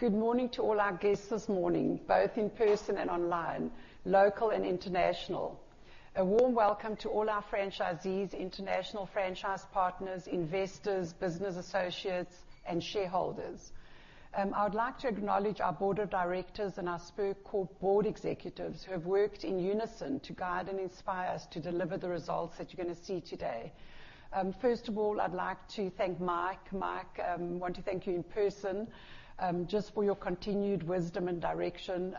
Good morning to all our guests this morning, both in person and online, local and international. A warm welcome to all our franchisees, international franchise partners, investors, business associates, and shareholders. I would like to acknowledge our board of directors and our Spur Corp board executives, who have worked in unison to guide and inspire us to deliver the results that you're gonna see today. First of all, I'd like to thank Mike. Mike, want to thank you in person, just for your continued wisdom and direction.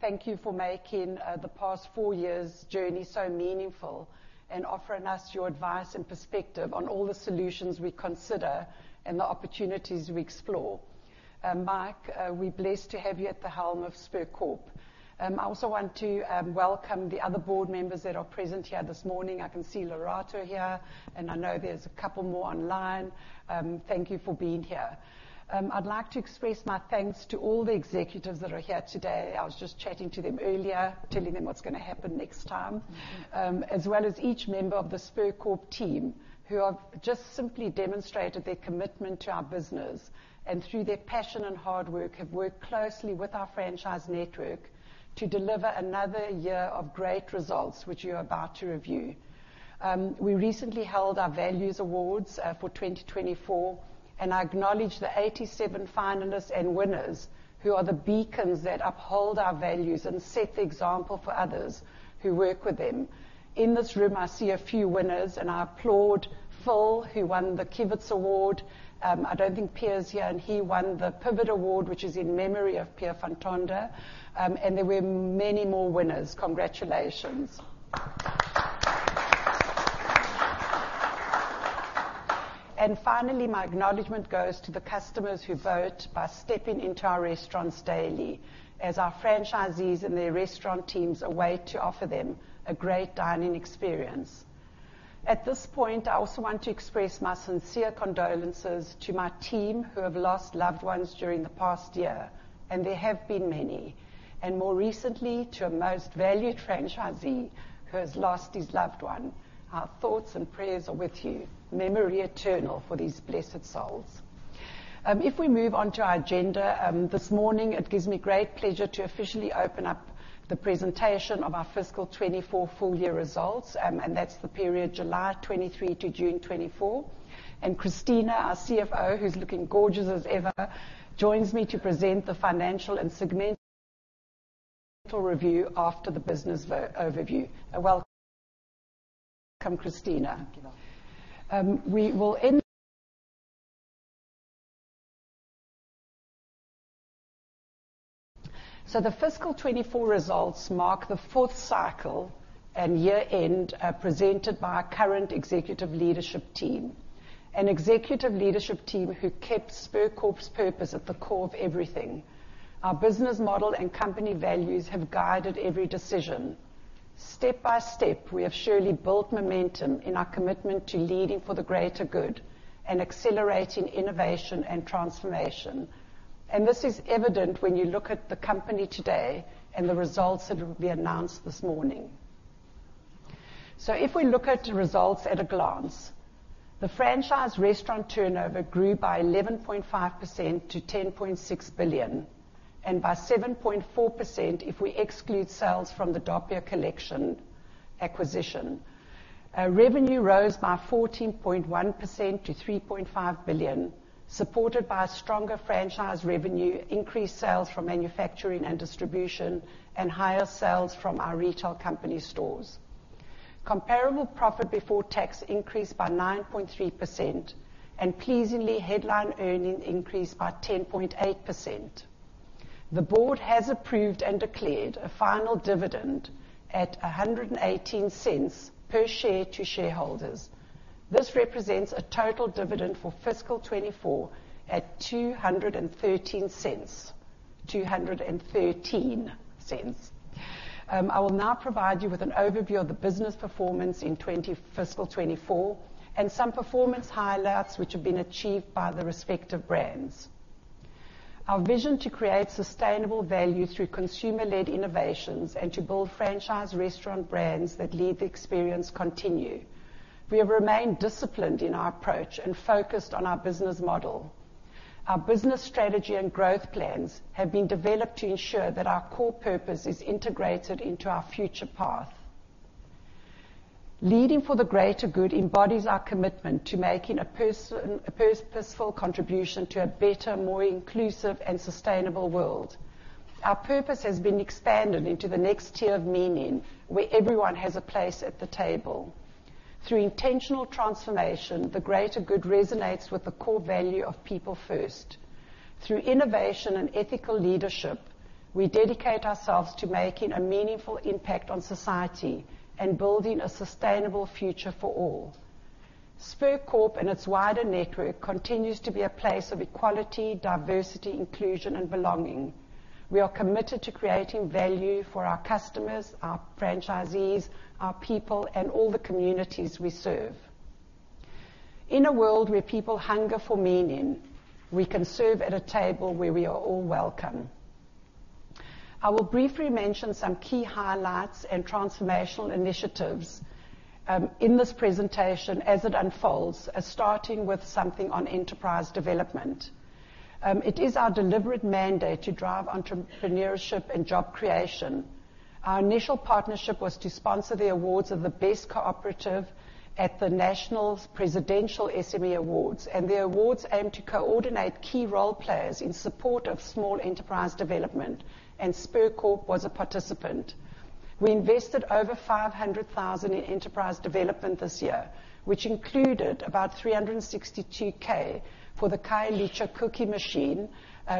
Thank you for making the past four years' journey so meaningful and offering us your advice and perspective on all the solutions we consider and the opportunities we explore. Mike, we're blessed to have you at the helm of Spur Corp. I also want to welcome the other board members that are present here this morning. I can see Lerato here, and I know there's a couple more online. Thank you for being here. I'd like to express my thanks to all the executives that are here today. I was just chatting to them earlier, telling them what's gonna happen next time, as well as each member of the Spur Corp team, who have just simply demonstrated their commitment to our business, and through their passion and hard work, have worked closely with our franchise network to deliver another year of great results, which you're about to review. We recently held our values awards for 2024, and I acknowledge the 87 finalists and winners, who are the beacons that uphold our values and set the example for others who work with them. In this room, I see a few winners, and I applaud Phil, who won the Civitas Award. I don't think Pierre's here, and he won the PvT Award, which is in memory of Pierre van Tonder. And there were many more winners. Congratulations. And finally, my acknowledgement goes to the customers who vote by stepping into our restaurants daily, as our franchisees and their restaurant teams await to offer them a great dining experience. At this point, I also want to express my sincere condolences to my team who have lost loved ones during the past year, and there have been many, and more recently, to a most valued franchisee who has lost his loved one. Our thoughts and prayers are with you. Memory eternal for these blessed souls. If we move on to our agenda, this morning, it gives me great pleasure to officially open up the presentation of our fiscal 2024 full-year results, and that's the period July 2023 to June 2024. And Cristina, our CFO, who's looking gorgeous as ever, joins me to present the financial and segmental review after the business overview. Welcome, Cristina. Thank you. We will end. So the fiscal 2024 results mark the fourth cycle and year-end presented by our current executive leadership team, an executive leadership team who kept Spur Corp's purpose at the core of everything. Our business model and company values have guided every decision. Step by step, we have surely built momentum in our commitment to leading for the greater good and accelerating innovation and transformation, and this is evident when you look at the company today and the results that will be announced this morning. If we look at the results at a glance, the franchise restaurant turnover grew by 11.5% to 10.6 billion, and by 7.4% if we exclude sales from the Doppio Collection acquisition. Revenue rose by 14.1% to 3.5 billion, supported by stronger franchise revenue, increased sales from manufacturing and distribution, and higher sales from our retail company stores. Comparable profit before tax increased by 9.3%, and pleasingly, headline earnings increased by 10.8%. The board has approved and declared a final dividend at 118 cents per share to shareholders. This represents a total dividend for fiscal 2024 at 213 cents, 213 cents. I will now provide you with an overview of the business performance in fiscal 2024, and some performance highlights which have been achieved by the respective brands. Our vision to create sustainable value through consumer-led innovations and to build franchise restaurant brands that lead the experience continue. We have remained disciplined in our approach and focused on our business model. Our business strategy and growth plans have been developed to ensure that our core purpose is integrated into our future path. Leading for the greater good embodies our commitment to making a purposeful contribution to a better, more inclusive and sustainable world. Our purpose has been expanded into the next tier of meaning, where everyone has a place at the table. Through intentional transformation, the greater good resonates with the core value of people first. Through innovation and ethical leadership, we dedicate ourselves to making a meaningful impact on society and building a sustainable future for all. Spur Corp and its wider network continues to be a place of equality, diversity, inclusion, and belonging. We are committed to creating value for our customers, our franchisees, our people, and all the communities we serve. In a world where people hunger for meaning, we can serve at a table where we are all welcome. I will briefly mention some key highlights and transformational initiatives in this presentation as it unfolds, starting with something on enterprise development. It is our deliberate mandate to drive entrepreneurship and job creation. Our initial partnership was to sponsor the awards of the best cooperative at the National Presidential SME Awards, and the awards aim to coordinate key role players in support of small enterprise development, and Spur Corp was a participant. We invested over 500,000 in enterprise development this year, which included about 362,000 for the Khayelitsha Cookie Machine,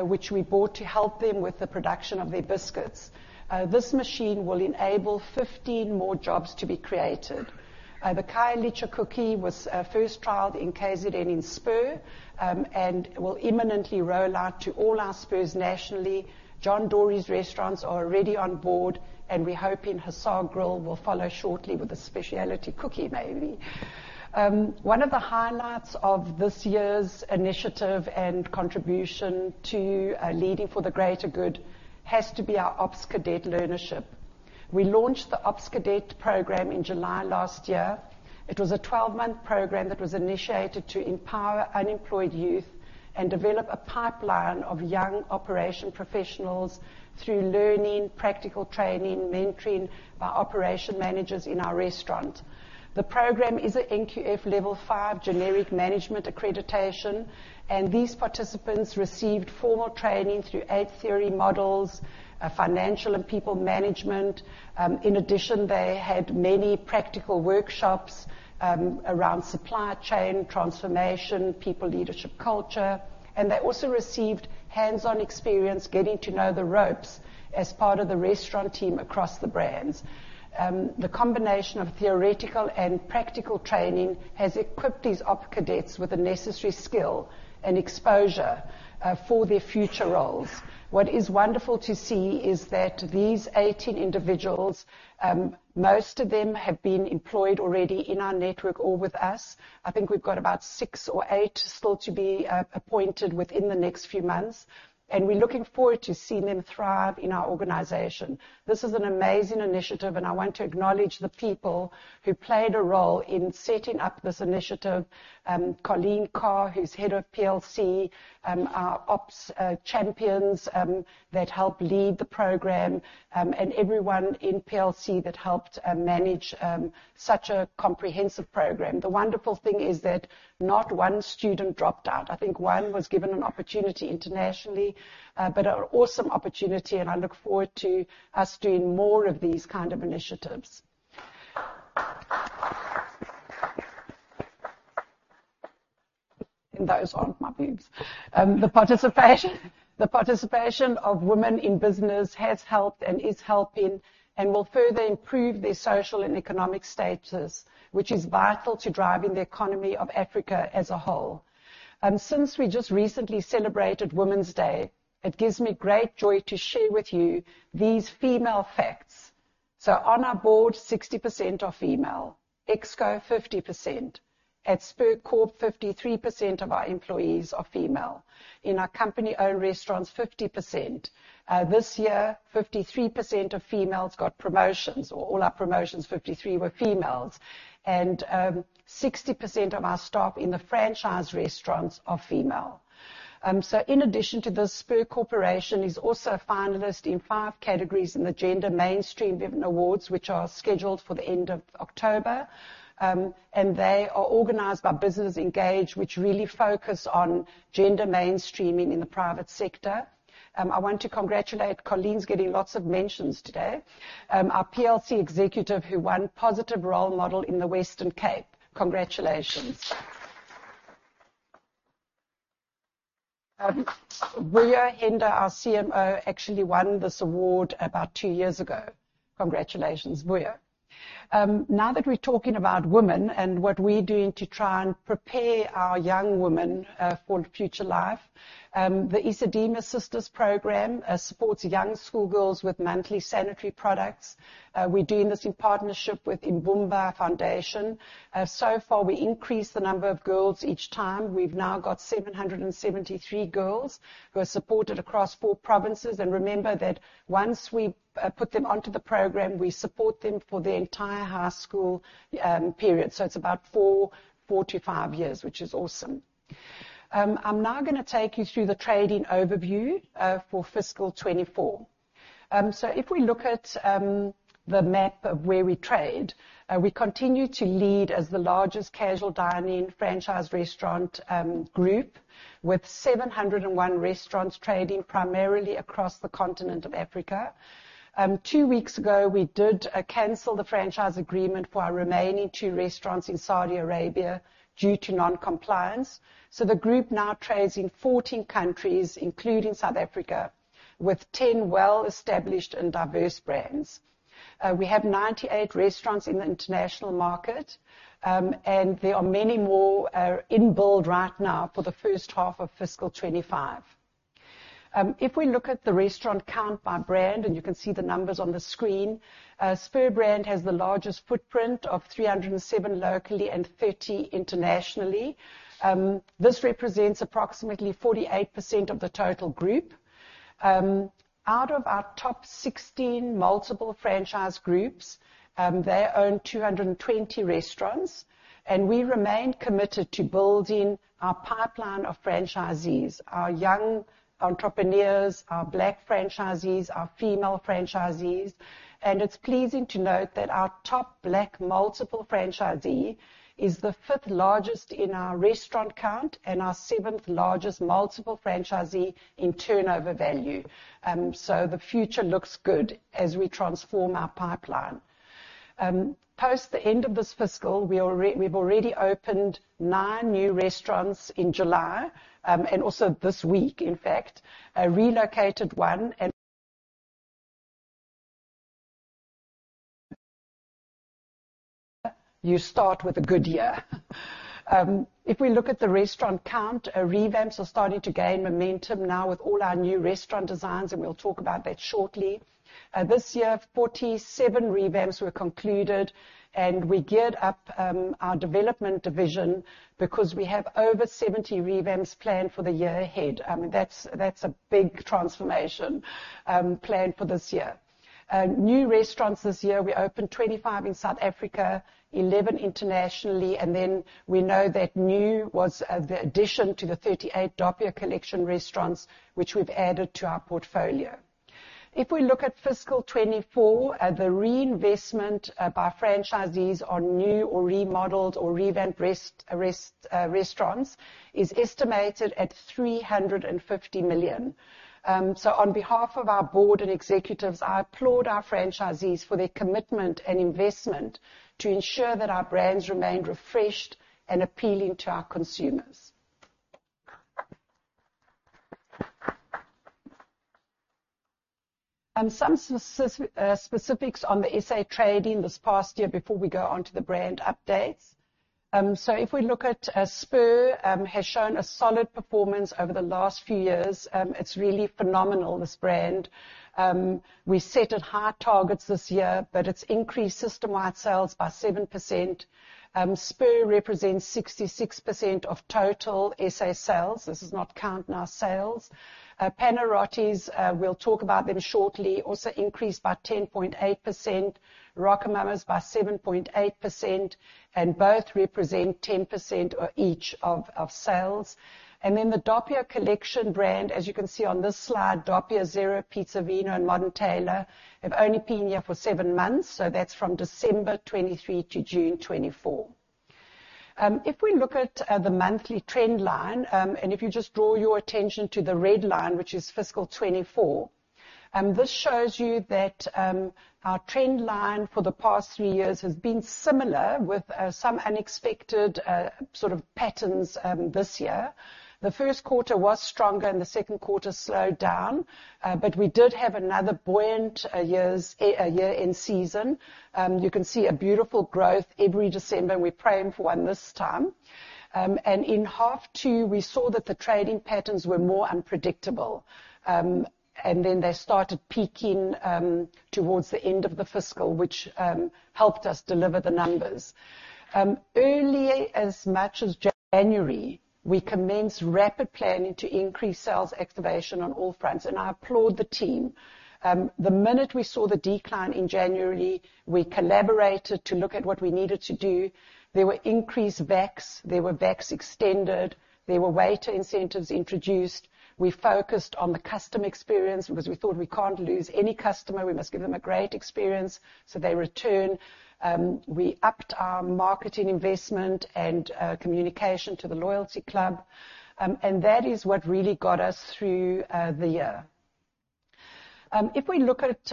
which we bought to help them with the production of their biscuits. This machine will enable 15 more jobs to be created. The Khayelitsha Cookies was first trialed in KZN in Spur, and will imminently roll out to all our Spurs nationally. John Dory's restaurants are already on board, and we hope The Hussar Grill will follow shortly with a specialty cookie, maybe. One of the highlights of this year's initiative and contribution to leading for the greater good has to be our Ops Cadets Learnership. We launched the Ops Cadet program in July last year. It was a twelve-month program that was initiated to empower unemployed youth and develop a pipeline of young operations professionals through learning, practical training, mentoring by operations managers in our restaurants. The program is a NQF Level 5 generic management accreditation, and these participants received formal training through eight theory modules, financial and people management. In addition, they had many practical workshops around supply chain transformation, People, Leadership, and Culture, and they also received hands-on experience getting to know the ropes as part of the restaurant team across the brands. The combination of theoretical and practical training has equipped these Ops Cadets with the necessary skill and exposure for their future roles. What is wonderful to see is that these 18 individuals, most of them have been employed already in our network or with us. I think we've got about six or eight still to be appointed within the next few months, and we're looking forward to seeing them thrive in our organization. This is an amazing initiative, and I want to acknowledge the people who played a role in setting up this initiative. Colleen Carr, who's head of PLC, our ops champions that helped lead the program, and everyone in PLC that helped manage such a comprehensive program. The wonderful thing is that not one student dropped out. I think one was given an opportunity internationally, but an awesome opportunity, and I look forward to us doing more of these kind of initiatives. And those aren't my boobs. The participation of women in business has helped and is helping and will further improve their social and economic status, which is vital to driving the economy of Africa as a whole. Since we just recently celebrated Women's Day, it gives me great joy to share with you these female facts. On our board, 60% are female, ExCo, 50%. At Spur Corp, 53% of our employees are female. In our company-owned restaurants, 50%. This year, 53% of females got promotions, or all our promotions, 53, were females, and 60% of our staff in the franchise restaurants are female. So in addition to this, Spur Corporation is also a finalist in five categories in the Gender Mainstreaming Awards, which are scheduled for the end of October. And they are organized by Business Engage, which really focus on gender mainstreaming in the private sector. I want to congratulate Colleen's getting lots of mentions today. Our PLC executive, who won Positive Role Model in the Western Cape. Congratulations. Vuyo Henda, our CMO, actually won this award about two years ago. Congratulations, Vuyo. Now that we're talking about women and what we're doing to try and prepare our young women for future life, the Sadima Sisters program supports young schoolgirls with monthly sanitary products. We're doing this in partnership with Ubuhle Foundation. We increased the number of girls each time. We've now got 773 girls who are supported across four provinces. Remember that once we put them onto the program, we support them for their entire high school period. It's about four to five years, which is awesome. I'm now gonna take you through the trading overview for fiscal 2024. So if we look at the map of where we trade, we continue to lead as the largest casual dining franchise restaurant group, with seven hundred and one restaurants trading primarily across the continent of Africa. Two weeks ago, we did cancel the franchise agreement for our remaining two restaurants in Saudi Arabia due to non-compliance. So the group now trades in 14 countries, including South Africa, with ten well-established and diverse brands. We have 98 restaurants in the international market, and there are many more in build right now for the first half of fiscal 2025. If we look at the restaurant count by brand, and you can see the numbers on the screen, Spur Brand has the largest footprint of 307 locally, and 30 internationally. This represents approximately 48% of the total group. Out of our top 16 multiple franchise groups, they own 220 restaurants, and we remain committed to building our pipeline of franchisees, our young entrepreneurs, our Black franchisees, our female franchisees, and it's pleasing to note that our top Black multiple franchisee is the fifth largest in our restaurant count and our seventh largest multiple franchisee in turnover value, so the future looks good as we transform our pipeline. Post the end of this fiscal, we already, we've already opened nine new restaurants in July, and also this week, in fact, relocated one and you start with a good year. If we look at the restaurant count, revamps are starting to gain momentum now with all our new restaurant designs, and we'll talk about that shortly. This year, 47 revamps were concluded, and we geared up our development division, because we have over 70 revamps planned for the year ahead. That's a big transformation planned for this year. New restaurants this year, we opened 25 in South Africa, 11 internationally, and then we know that new was the addition to the 38 Doppio Collection restaurants which we've added to our portfolio. If we look at fiscal 2024, the reinvestment by franchisees on new or remodeled or revamped restaurants is estimated at 350 million. So on behalf of our board and executives, I applaud our franchisees for their commitment and investment to ensure that our brands remain refreshed and appealing to our consumers. Some specifics on the SA trading this past year before we go on to the brand updates. So if we look at Spur, has shown a solid performance over the last few years. It's really phenomenal, this brand. We set at high targets this year, but it's increased system-wide sales by 7%. Spur represents 66% of total SA sales. This is not counting our sales. Panarottis, we'll talk about them shortly, also increased by 10.8%, RocoMamas by 7.8%, and both represent 10% or each of sales. And then the Doppio Collection brand, as you can see on this slide, Doppio Zero, Piza ē Vino, and Modern Tailors, have only been here for seven months, so that's from December 2023 to June 2024. If we look at the monthly trend line, and if you just draw your attention to the red line, which is fiscal 2024, this shows you that our trend line for the past three years has been similar with some unexpected sort of patterns this year. The first quarter was stronger, and the second quarter slowed down but we did have another buoyant year-end season. You can see a beautiful growth every December, and we're praying for one this time, and in half two we saw that the trading patterns were more unpredictable, and then they started peaking towards the end of the fiscal, which helped us deliver the numbers. As early as January, we commenced rapid planning to increase sales activation on all fronts, and I applaud the team. The minute we saw the decline in January, we collaborated to look at what we needed to do. There were increased bucks, there were bucks extended, there were waiter incentives introduced. We focused on the customer experience because we thought, we can't lose any customer. We must give them a great experience, so they return. We upped our marketing investment and communication to the loyalty club, and that is what really got us through the year. If we look at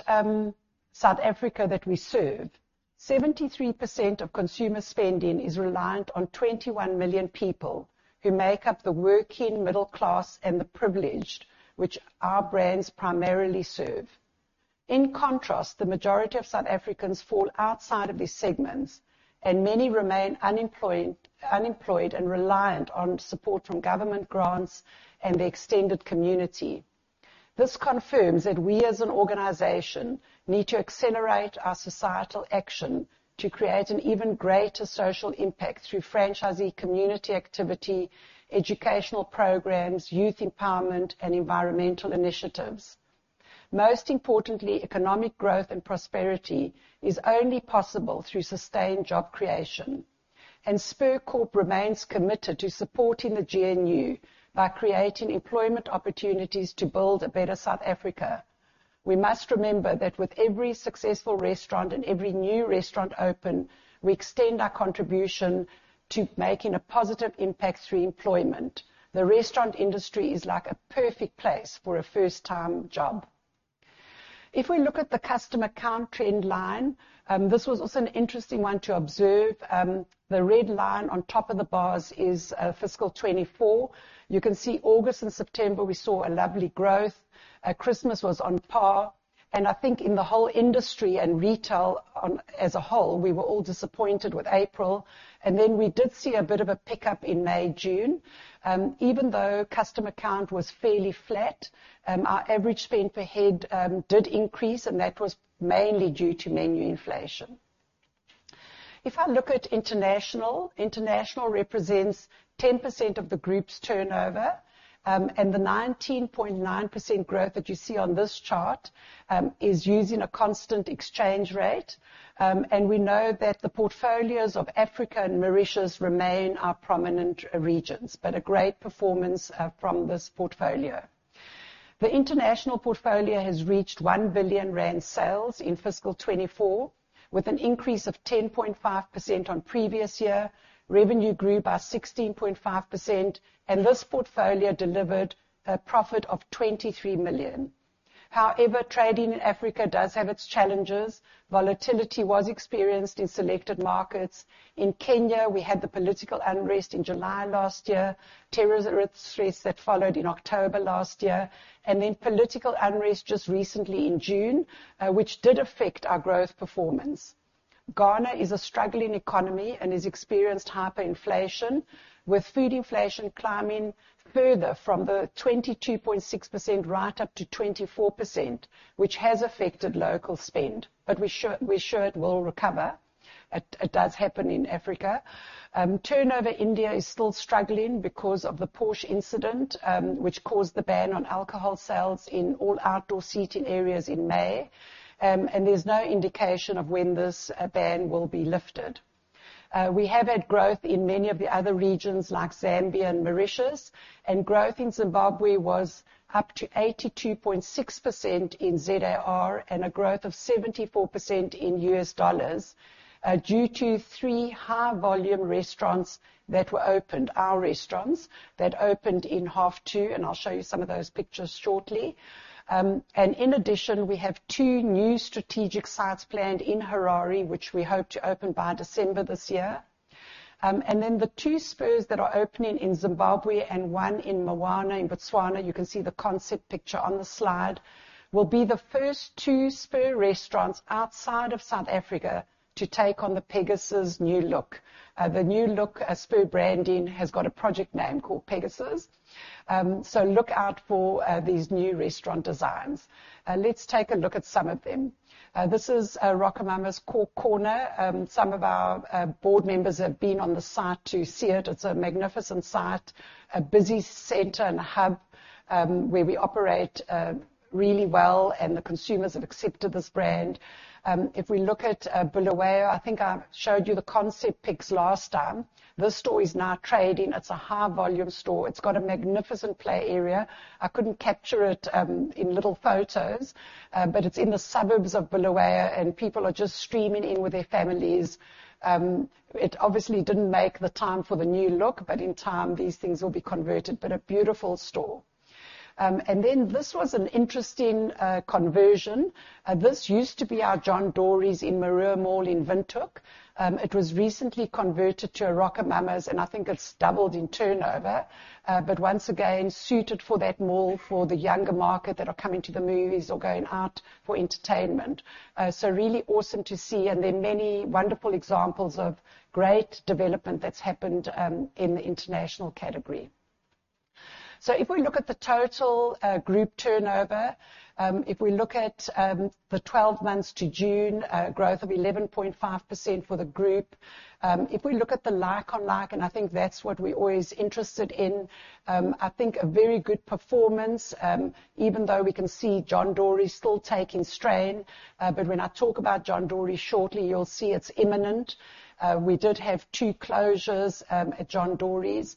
South Africa that we serve, 73% of consumer spending is reliant on 21 million people, who make up the working middle class and the privileged, which our brands primarily serve. In contrast, the majority of South Africans fall outside of these segments, and many remain unemployed and reliant on support from government grants and the extended community. This confirms that we, as an organization, need to accelerate our societal action to create an even greater social impact through franchisee community activity, educational programs, youth empowerment, and environmental initiatives. Most importantly, economic growth and prosperity is only possible through sustained job creation, and Spur Corp remains committed to supporting the GNU by creating employment opportunities to build a better South Africa. We must remember that with every successful restaurant and every new restaurant open, we extend our contribution to making a positive impact through employment. The restaurant industry is like a perfect place for a first-time job. If we look at the customer count trend line, this was also an interesting one to observe. The red line on top of the bars is, fiscal 2024. You can see August and September, we saw a lovely growth. Christmas was on par, and I think in the whole industry and retail on, as a whole, we were all disappointed with April, and then we did see a bit of a pickup in May, June. Even though customer count was fairly flat, our average spend per head did increase, and that was mainly due to menu inflation. If I look at international, international represents 10% of the group's turnover, and the 19.9% growth that you see on this chart is using a constant exchange rate, and we know that the portfolios of Africa and Mauritius remain our prominent regions, but a great performance from this portfolio. The international portfolio has reached 1 billion rand sales in fiscal 2024, with an increase of 10.5% on previous year. Revenue grew by 16.5%, and this portfolio delivered a profit of 23 million. However, trading in Africa does have its challenges. Volatility was experienced in selected markets. In Kenya, we had the political unrest in July last year, terror threat stress that followed in October last year, and then political unrest just recently in June, which did affect our growth performance. Ghana is a struggling economy and has experienced hyperinflation, with food inflation climbing further from the 22.6%, right up to 24%, which has affected local spend, but we're sure it will recover. It does happen in Africa. Turnover, India is still struggling because of the Porsche incident, which caused the ban on alcohol sales in all outdoor seating areas in May, and there's no indication of when this ban will be lifted. We have had growth in many of the other regions, like Zambia and Mauritius, and growth in Zimbabwe was up to 82.6% in ZAR and a growth of 74% in US dollars, due to three high-volume restaurants that were opened, our restaurants, that opened in half two, and I'll show you some of those pictures shortly. And in addition, we have two new strategic sites planned in Harare, which we hope to open by December this year. And then the two Spurs that are opening in Zimbabwe and one in Mowana, in Botswana, you can see the concept picture on the slide, will be the first two Spur restaurants outside of South Africa to take on the Pegasus new look. The new look, as Spur branding, has got a project name called Pegasus. So look out for these new restaurant designs. Let's take a look at some of them. This is RocoMamas Corner. Some of our board members have been on the site to see it. It's a magnificent site, a busy center and a hub where we operate really well, and the consumers have accepted this brand. If we look at Bulawayo, I think I showed you the concept pics last time. This store is now trading. It's a high-volume store. It's got a magnificent play area. I couldn't capture it in little photos, but it's in the suburbs of Bulawayo, and people are just streaming in with their families. It obviously didn't make the time for the new look, but in time, these things will be converted, but a beautiful store. And then this was an interesting conversion. This used to be our John Dory’s in Maerua Mall, in Windhoek. It was recently converted to a RocoMamas, and I think it's doubled in turnover, but once again, suited for that mall, for the younger market that are coming to the movies or going out for entertainment. So really awesome to see, and there are many wonderful examples of great development that's happened in the international category. So if we look at the total group turnover, if we look at the 12 months to June, growth of 11.5% for the group. If we look at the like-on-like, and I think that's what we're always interested in, I think a very good performance, even though we can see John Dory's still taking strain, but when I talk about John Dory's shortly, you'll see it's imminent. We did have two closures at John Dory's.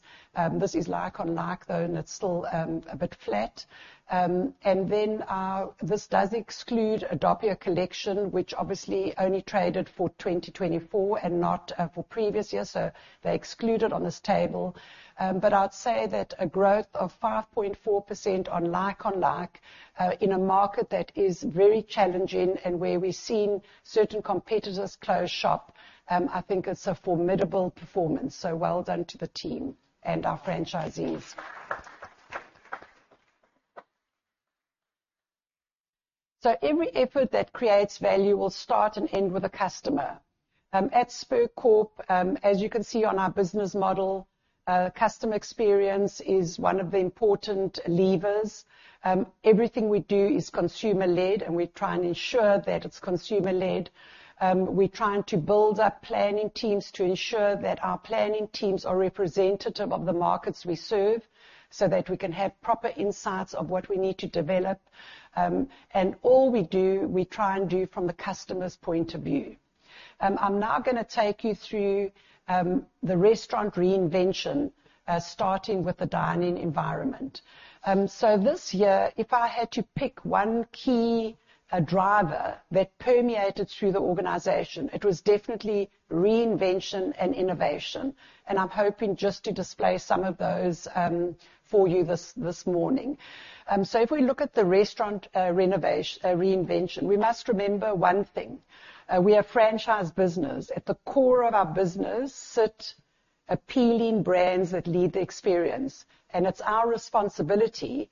This is like-on-like, though, and it's still a bit flat. This does exclude Doppio Collection, which obviously only traded for 2024 and not for previous years, so they exclude it on this table. I would say that a growth of 5.4% on like-on-like in a market that is very challenging and where we've seen certain competitors close shop, I think it's a formidable performance, so well done to the team and our franchisees. So every effort that creates value will start and end with the customer. At Spur Corp, as you can see on our business model, customer experience is one of the important levers. Everything we do is consumer-led, and we try and ensure that it's consumer-led. We're trying to build up planning teams to ensure that our planning teams are representative of the markets we serve, so that we can have proper insights of what we need to develop, and all we do, we try and do from the customer's point of view. I'm now gonna take you through the restaurant reinvention, starting with the dine-in environment. So this year, if I had to pick one key driver that permeated through the organization, it was definitely reinvention and innovation, and I'm hoping just to display some of those for you this morning. So if we look at the restaurant reinvention, we must remember one thing, we are a franchise business. At the core of our business appealing brands that lead the experience, and it's our responsibility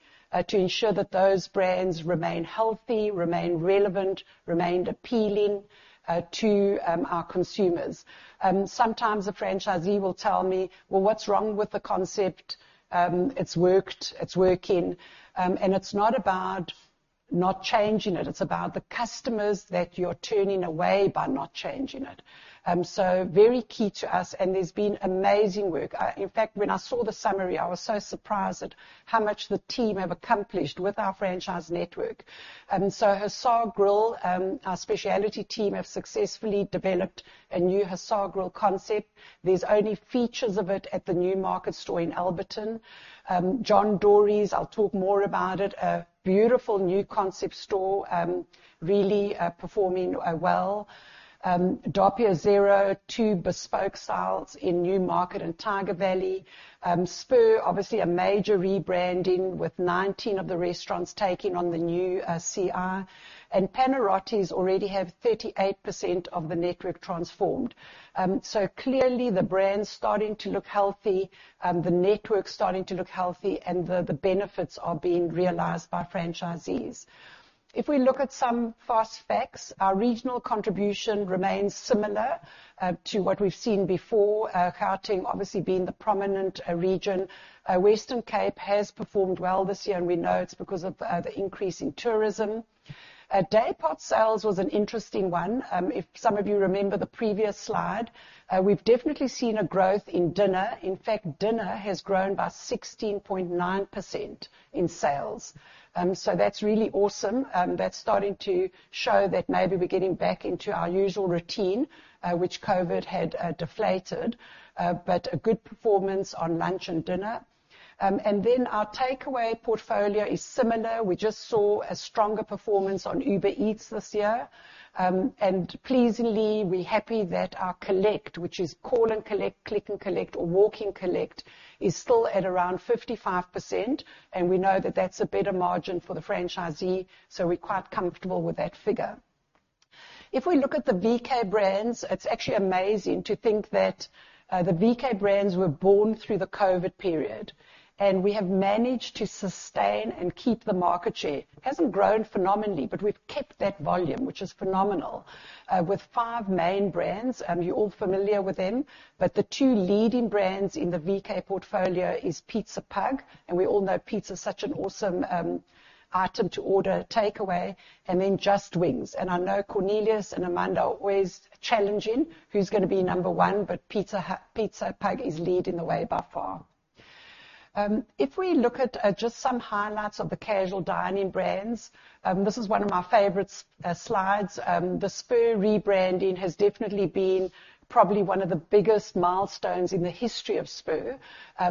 to ensure that those brands remain healthy, remain relevant, remain appealing to our consumers. Sometimes a franchisee will tell me, "Well, what's wrong with the concept? It's worked. It's working," and it's not about not changing it, it's about the customers that you're turning away by not changing it, so very key to us, and there's been amazing work. In fact, when I saw the summary, I was so surprised at how much the team have accomplished with our franchise network. And so Hussar Grill, our specialty team have successfully developed a new Hussar Grill concept. There's only features of it at the New Market store in Alberton. John Dory's, I'll talk more about it, a beautiful new concept store, really performing well. Doppio Zero, two bespoke styles in New Market and Tyger Valley. Spur, obviously a major rebranding, with 19 of the restaurants taking on the new CI. And Panarottis already have 38% of the network transformed. So clearly, the brand's starting to look healthy, the network's starting to look healthy, and the benefits are being realized by franchisees. If we look at some fast facts, our regional contribution remains similar to what we've seen before, Gauteng obviously being the prominent region. Western Cape has performed well this year, and we know it's because of the increase in tourism. Day part sales was an interesting one. If some of you remember the previous slide, we've definitely seen a growth in dinner. In fact, dinner has grown by 16.9% in sales. So that's really awesome. That's starting to show that maybe we're getting back into our usual routine, which COVID had deflated, but a good performance on lunch and dinner. Our takeaway portfolio is similar. We just saw a stronger performance on Uber Eats this year. And pleasingly, we're happy that our collect, which is call and collect, click and collect, or walk-in collect, is still at around 55%, and we know that that's a better margin for the franchisee, so we're quite comfortable with that figure. If we look at the VK brands, it's actually amazing to think that the VK brands were born through the COVID period, and we have managed to sustain and keep the market share. It hasn't grown phenomenally, but we've kept that volume, which is phenomenal, with five main brands, and you're all familiar with them, but the two leading brands in the VK portfolio is Pizza Pug, and we all know pizza is such an awesome item to order takeaway, and then Just Wings. And I know Cornelius and Amanda are always challenging who's gonna be number one, but Pizza Pug is leading the way by far. If we look at just some highlights of the casual dining brands, this is one of my favorite slides. The Spur rebranding has definitely been probably one of the biggest milestones in the history of Spur,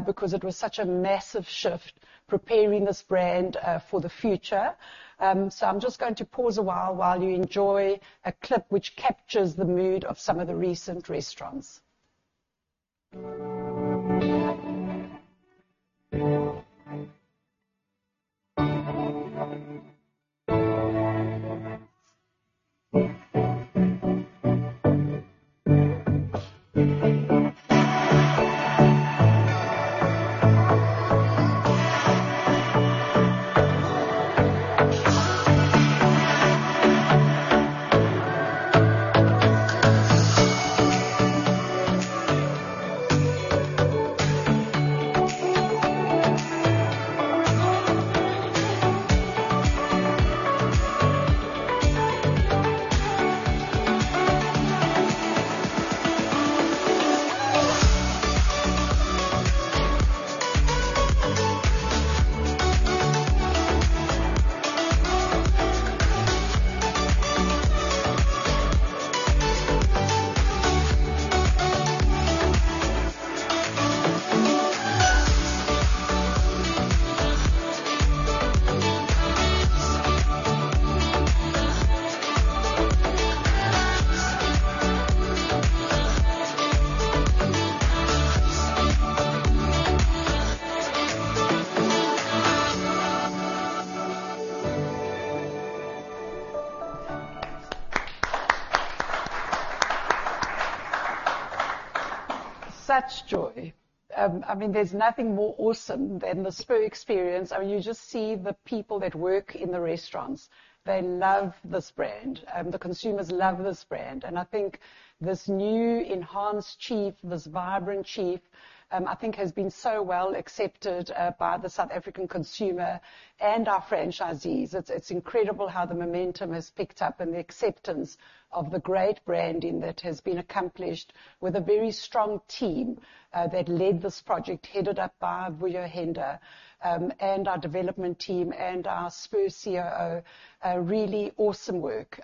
because it was such a massive shift preparing this brand for the future. So I'm just going to pause a while while you enjoy a clip which captures the mood of some of the recent restaurants. Such joy! I mean, there's nothing more awesome than the Spur experience. I mean, you just see the people that work in the restaurants, they love this brand, and the consumers love this brand. And I think this new enhanced Chief, this vibrant Chief, I think has been so well accepted by the South African consumer and our franchisees. It's incredible how the momentum has picked up and the acceptance of the great branding that has been accomplished with a very strong team that led this project, headed up by Vuyo Henda, and our development team and our Spur COO, a really awesome work.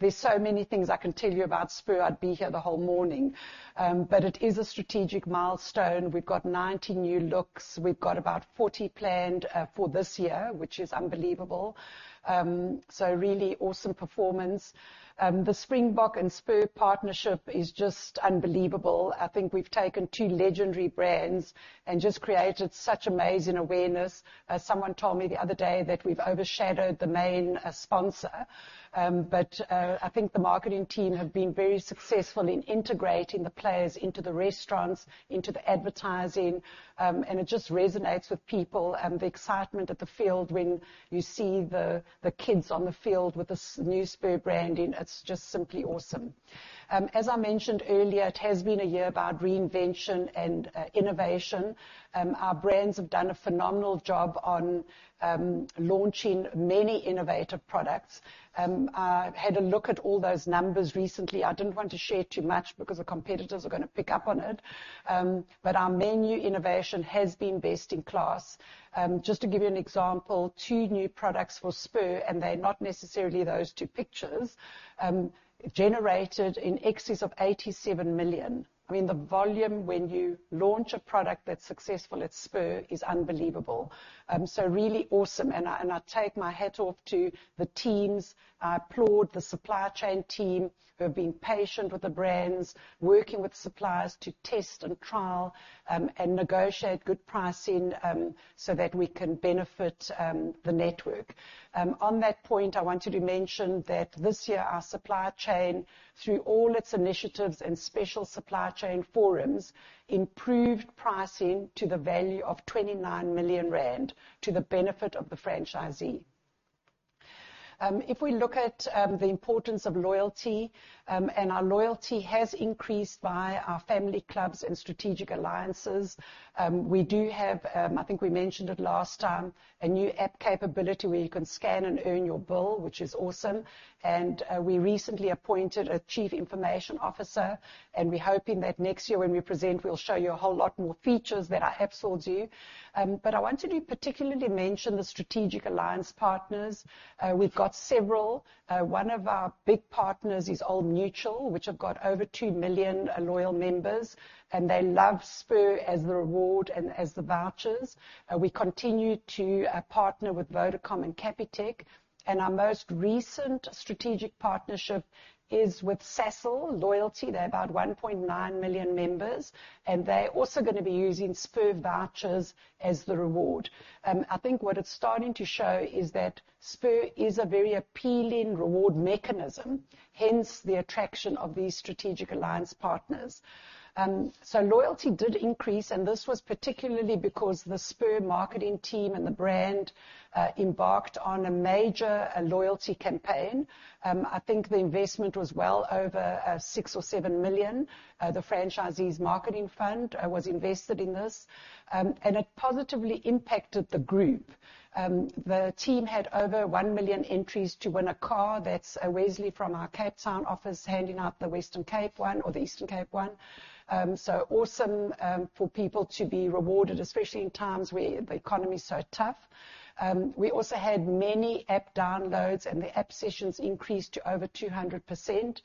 There's so many things I can tell you about Spur. I'd be here the whole morning, but it is a strategic milestone. We've got 90 new looks. We've got about 40 planned for this year, which is unbelievable, so really awesome performance. The Springbok and Spur partnership is just unbelievable. I think we've taken two legendary brands and just created such amazing awareness. Someone told me the other day that we've overshadowed the main sponsor, but I think the marketing team have been very successful in integrating the players into the restaurants, into the advertising, and it just resonates with people, the excitement at the field when you see the kids on the field with this new Spur branding; it's just simply awesome. As I mentioned earlier, it has been a year about reinvention and innovation. Our brands have done a phenomenal job on launching many innovative products. I had a look at all those numbers recently. I didn't want to share too much because the competitors are gonna pick up on it, but our menu innovation has been best in class. Just to give you an example, two new products for Spur, and they're not necessarily those two pictures, generated in excess of 87 million. I mean, the volume when you launch a product that's successful at Spur is unbelievable. So really awesome. And I take my hat off to the teams. I applaud the supply chain team, who have been patient with the brands, working with suppliers to test and trial, and negotiate good pricing, so that we can benefit the network. On that point, I wanted to mention that this year, our supply chain, through all its initiatives and special supply chain forums, improved pricing to the value of 29 million rand, to the benefit of the franchisee. If we look at the importance of loyalty, and our loyalty has increased via our family clubs and strategic alliances, we do have, I think we mentioned it last time, a new app capability where you can scan and earn your bill, which is awesome, and we recently appointed a chief information officer, and we're hoping that next year when we present, we'll show you a whole lot more features that our apps will do, but I wanted to particularly mention the strategic alliance partners. We've got several. One of our big partners is Old Mutual, which have got over two million loyal members, and they love Spur as the reward and as the vouchers. We continue to partner with Vodacom and Capitec, and our most recent strategic partnership is with Sasol Loyalty. They're about 1.9 million members, and they're also gonna be using Spur vouchers as the reward. I think what it's starting to show is that Spur is a very appealing reward mechanism, hence, the attraction of these strategic alliance partners. So loyalty did increase, and this was particularly because the Spur marketing team and the brand embarked on a major loyalty campaign. I think the investment was well over six or seven million. The franchisee's marketing fund was invested in this, and it positively impacted the group. The team had over one million entries to win a car. That's Wesley from our Cape Town office, handing out the Western Cape one or the Eastern Cape one. So awesome for people to be rewarded, especially in times where the economy is so tough. We also had many app downloads, and the app sessions increased to over 200%.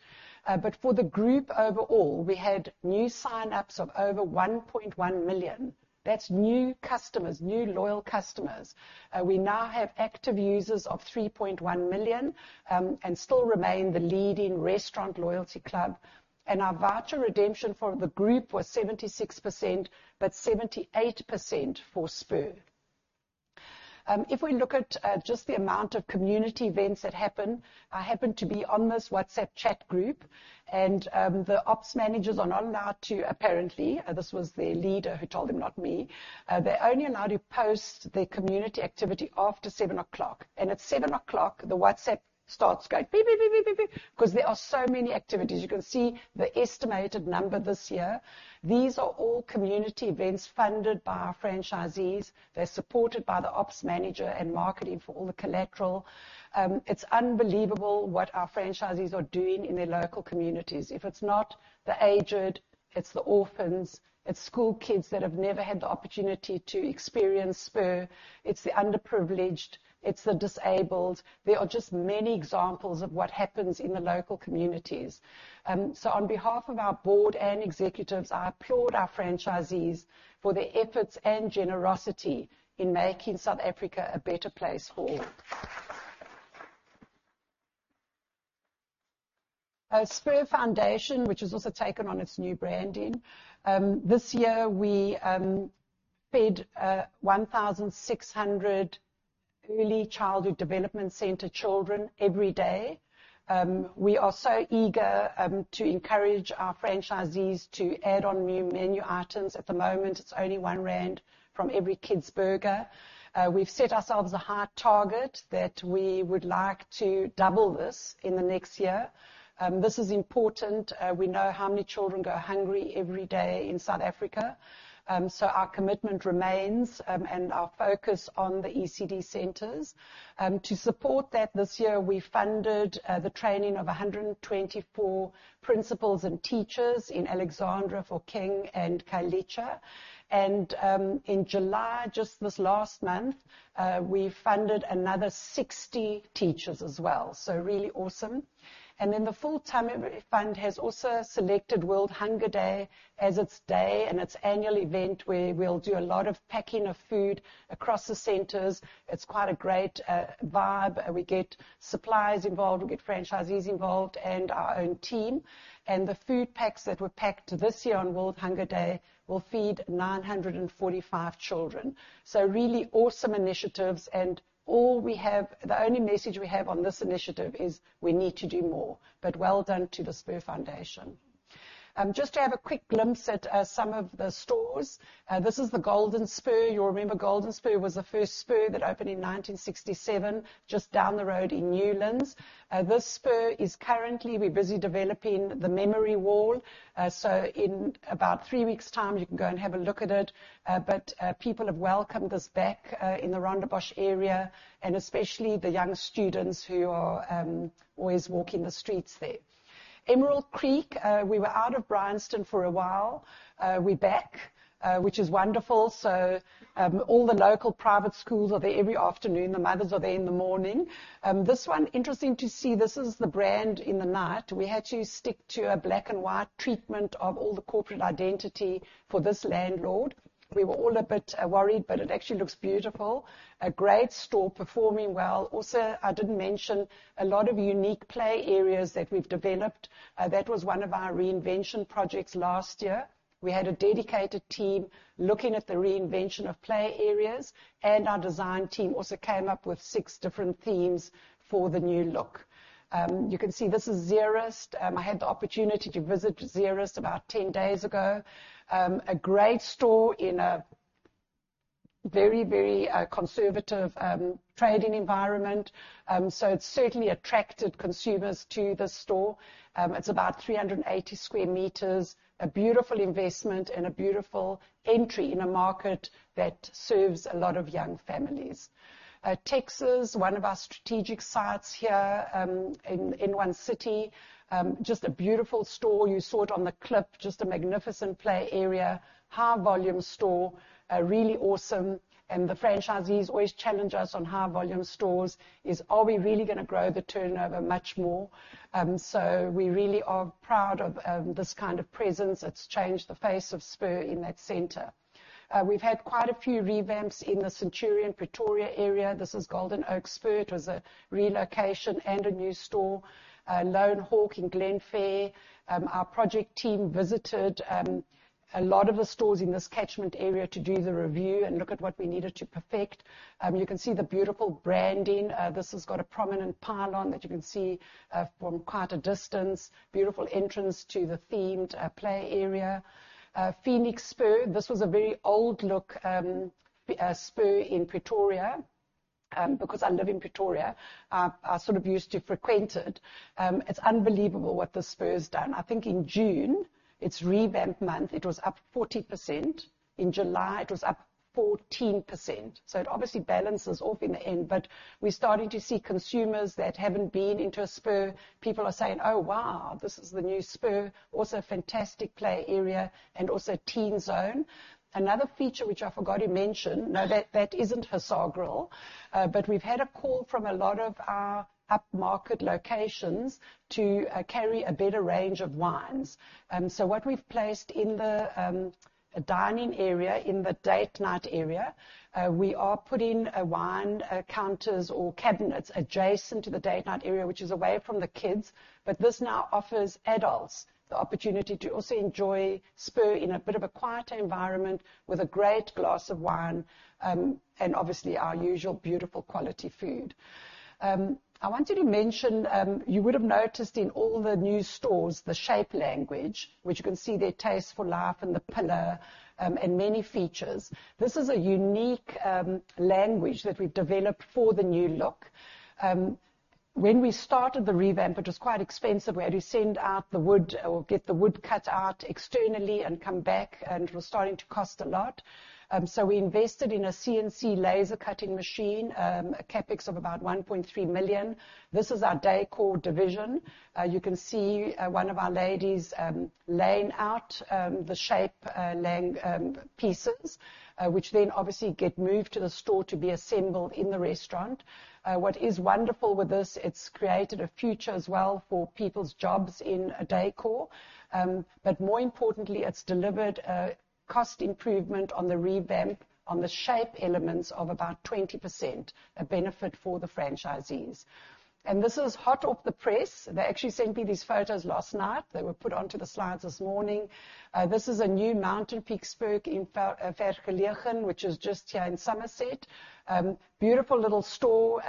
But for the group overall, we had new sign-ups of over 1.1 million. That's new customers, new loyal customers. We now have active users of 3.1 million, and still remain the leading restaurant loyalty club, and our voucher redemption for the group was 76%, but 78% for Spur. If we look at just the amount of community events that happen, I happen to be on this WhatsApp chat group, and the ops managers are not allowed to apparently, this was their leader who told them, not me. They're only allowed to post their community activity after seven o'clock, and at seven o'clock, the WhatsApp starts going, beep, beep, beep, beep, beep, because there are so many activities. You can see the estimated number this year. These are all community events funded by our franchisees. They're supported by the ops manager and marketing for all the collateral. It's unbelievable what our franchisees are doing in their local communities. If it's not the aged, it's the orphans, it's school kids that have never had the opportunity to experience Spur, it's the underprivileged, it's the disabled. There are just many examples of what happens in the local communities. So on behalf of our board and executives, I applaud our franchisees for their efforts and generosity in making South Africa a better place for all. Spur Foundation, which has also taken on its new branding. This year, we fed 1,600 early childhood development center children every day. We are so eager to encourage our franchisees to add on new menu items. At the moment, it's only 1 rand from every kid's burger. We've set ourselves a high target that we would like to double this in the next year. This is important. We know how many children go hungry every day in South Africa, so our commitment remains, and our focus on the ECD centers. To support that, this year, we funded the training of 124 principals and teachers in Alexandra and Khayelitsha. In July, just this last month, we funded another 60 teachers as well, so really awesome. The Full Tummy Fund has also selected World Hunger Day as its day and its annual event, where we'll do a lot of packing of food across the centers. It's quite a great vibe. We get suppliers involved, we get franchisees involved and our own team. And the food packs that were packed this year on World Hunger Day will feed nine hundred and forty-five children, so really awesome initiatives. And all we have the only message we have on this initiative is, we need to do more, but well done to the Spur Foundation. Just to have a quick glimpse at some of the stores, this is the Golden Spur. You'll remember Golden Spur was the first Spur that opened in 1967, just down the road in Newlands. This Spur is currently, we're busy developing the memory wall, so in about three weeks' time, you can go and have a look at it. But people have welcomed us back in the Rondebosch area, and especially the young students who are always walking the streets there. Emerald Creek, we were out of Bryanston for a while. We're back, which is wonderful, so all the local private schools are there every afternoon. The mothers are there in the morning. This one, interesting to see, this is the brand in the night. We had to stick to a black and white treatment of all the corporate identity for this landlord. We were all a bit worried, but it actually looks beautiful, a great store, performing well. Also, I didn't mention a lot of unique play areas that we've developed. That was one of our reinvention projects last year. We had a dedicated team looking at the reinvention of play areas, and our design team also came up with six different themes for the new look. You can see this is Zeerust. I had the opportunity to visit Zeerust about 10 days ago. A great store in a very, very conservative trading environment, so it's certainly attracted consumers to the store. It's about 380 square meters, a beautiful investment and a beautiful entry in a market that serves a lot of young families. Texas, one of our strategic sites here in one city, just a beautiful store. You saw it on the clip, just a magnificent play area, high volume store, really awesome, and the franchisees always challenge us on high volume stores, are we really gonna grow the turnover much more? So we really are proud of this kind of presence. It's changed the face of Spur in that center. We've had quite a few revamps in the Centurion, Pretoria area. This is Golden Oaks Spur. It was a relocation and a new store, Lone Hawk in Glenfair. Our project team visited a lot of the stores in this catchment area to do the review and look at what we needed to perfect. You can see the beautiful branding. This has got a prominent pylon that you can see from quite a distance. Beautiful entrance to the themed play area. Phoenix Spur, this was a very old look, Spur in Pretoria. Because I live in Pretoria, I sort of used to frequent it. It's unbelievable what this Spur has done. I think in June, it's revamp month, it was up 40%. In July, it was up 14%, so it obviously balances off in the end. But we're starting to see consumers that haven't been into a Spur, people are saying, "Oh, wow, this is the new Spur." Also, a fantastic play area and also a teen zone. Another feature which I forgot to mention. No, that isn't the Hussar Grill, but we've had a call from a lot of our upmarket locations to carry a better range of wines. So what we've placed in the dining area, in the date night area, we are putting a wine counters or cabinets adjacent to the date night area, which is away from the kids. But this now offers adults the opportunity to also enjoy Spur in a bit of a quieter environment, with a great glass of wine, and obviously, our usual beautiful quality food. I wanted to mention, you would have noticed in all the new stores, the shape language, which you can see their taste for life and the pillar, and many features. This is a unique language that we've developed for the new look. When we started the revamp, it was quite expensive. We had to send out the wood or get the wood cut out externally and come back, and it was starting to cost a lot. So we invested in a CNC laser cutting machine, a CapEx of about 1.3 million. This is our decor division. You can see one of our ladies laying out the shape pieces which then obviously get moved to the store to be assembled in the restaurant. What is wonderful with this, it's created a future as well for people's jobs in decor. But more importantly, it's delivered a cost improvement on the revamp, on the shape elements, of about 20%, a benefit for the franchisees. This is hot off the press. They actually sent me these photos last night. They were put onto the slides this morning. This is a new Mountain Peaks Spur in Vergelegen, which is just here in Somerset West. Beautiful little store.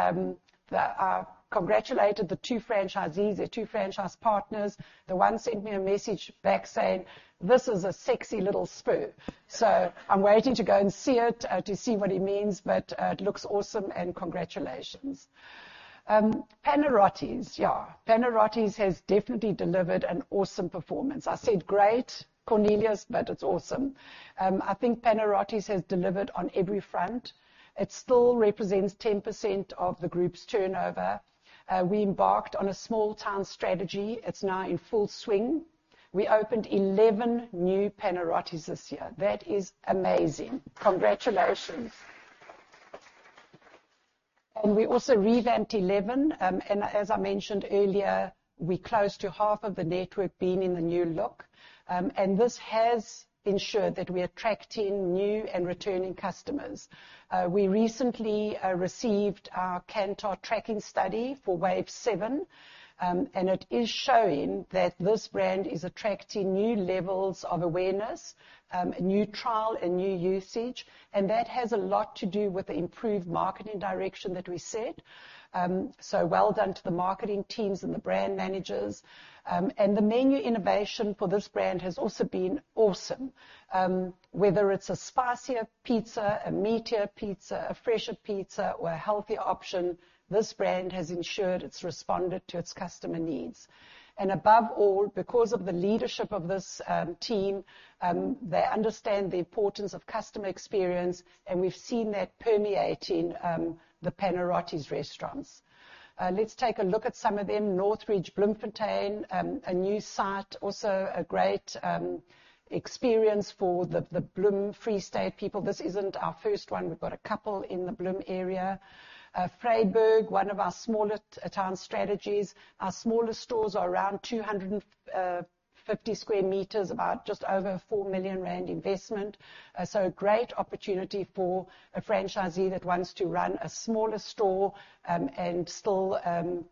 Congratulated the two franchisees, the two franchise partners. The one sent me a message back saying, "This is a sexy little Spur." So I'm waiting to go and see it, to see what he means, but, it looks awesome, and congratulations. Panarottis, yeah. Panarottis has definitely delivered an awesome performance. I said great, Cornelius, but it's awesome. I think Panarottis has delivered on every front. It still represents 10% of the group's turnover. We embarked on a small town strategy. It's now in full swing. We opened 11 new Panarottis this year. That is amazing. Congratulations. And we also revamped 11, and as I mentioned earlier, we're close to half of the network being in the new look. And this has ensured that we are attracting new and returning customers. We recently received our Kantar tracking study for wave seven, and it is showing that this brand is attracting new levels of awareness, new trial and new usage, and that has a lot to do with the improved marketing direction that we set. So well done to the marketing teams and the brand managers, and the menu innovation for this brand has also been awesome. Whether it's a spicier pizza, a meatier pizza, a fresher pizza, or a healthier option, this brand has ensured it's responded to its customer needs, and above all, because of the leadership of this team, they understand the importance of customer experience, and we've seen that permeating the Panarottis restaurants. Let's take a look at some of them. Northridge, Bloemfontein, a new site, also a great experience for the Bloem Free State people. This isn't our first one. We've got a couple in the Bloem area. Vredenburg, one of our smaller town strategies. Our smaller stores are around 250 sq m, about just over 4 million rand investment. So a great opportunity for a franchisee that wants to run a smaller store and still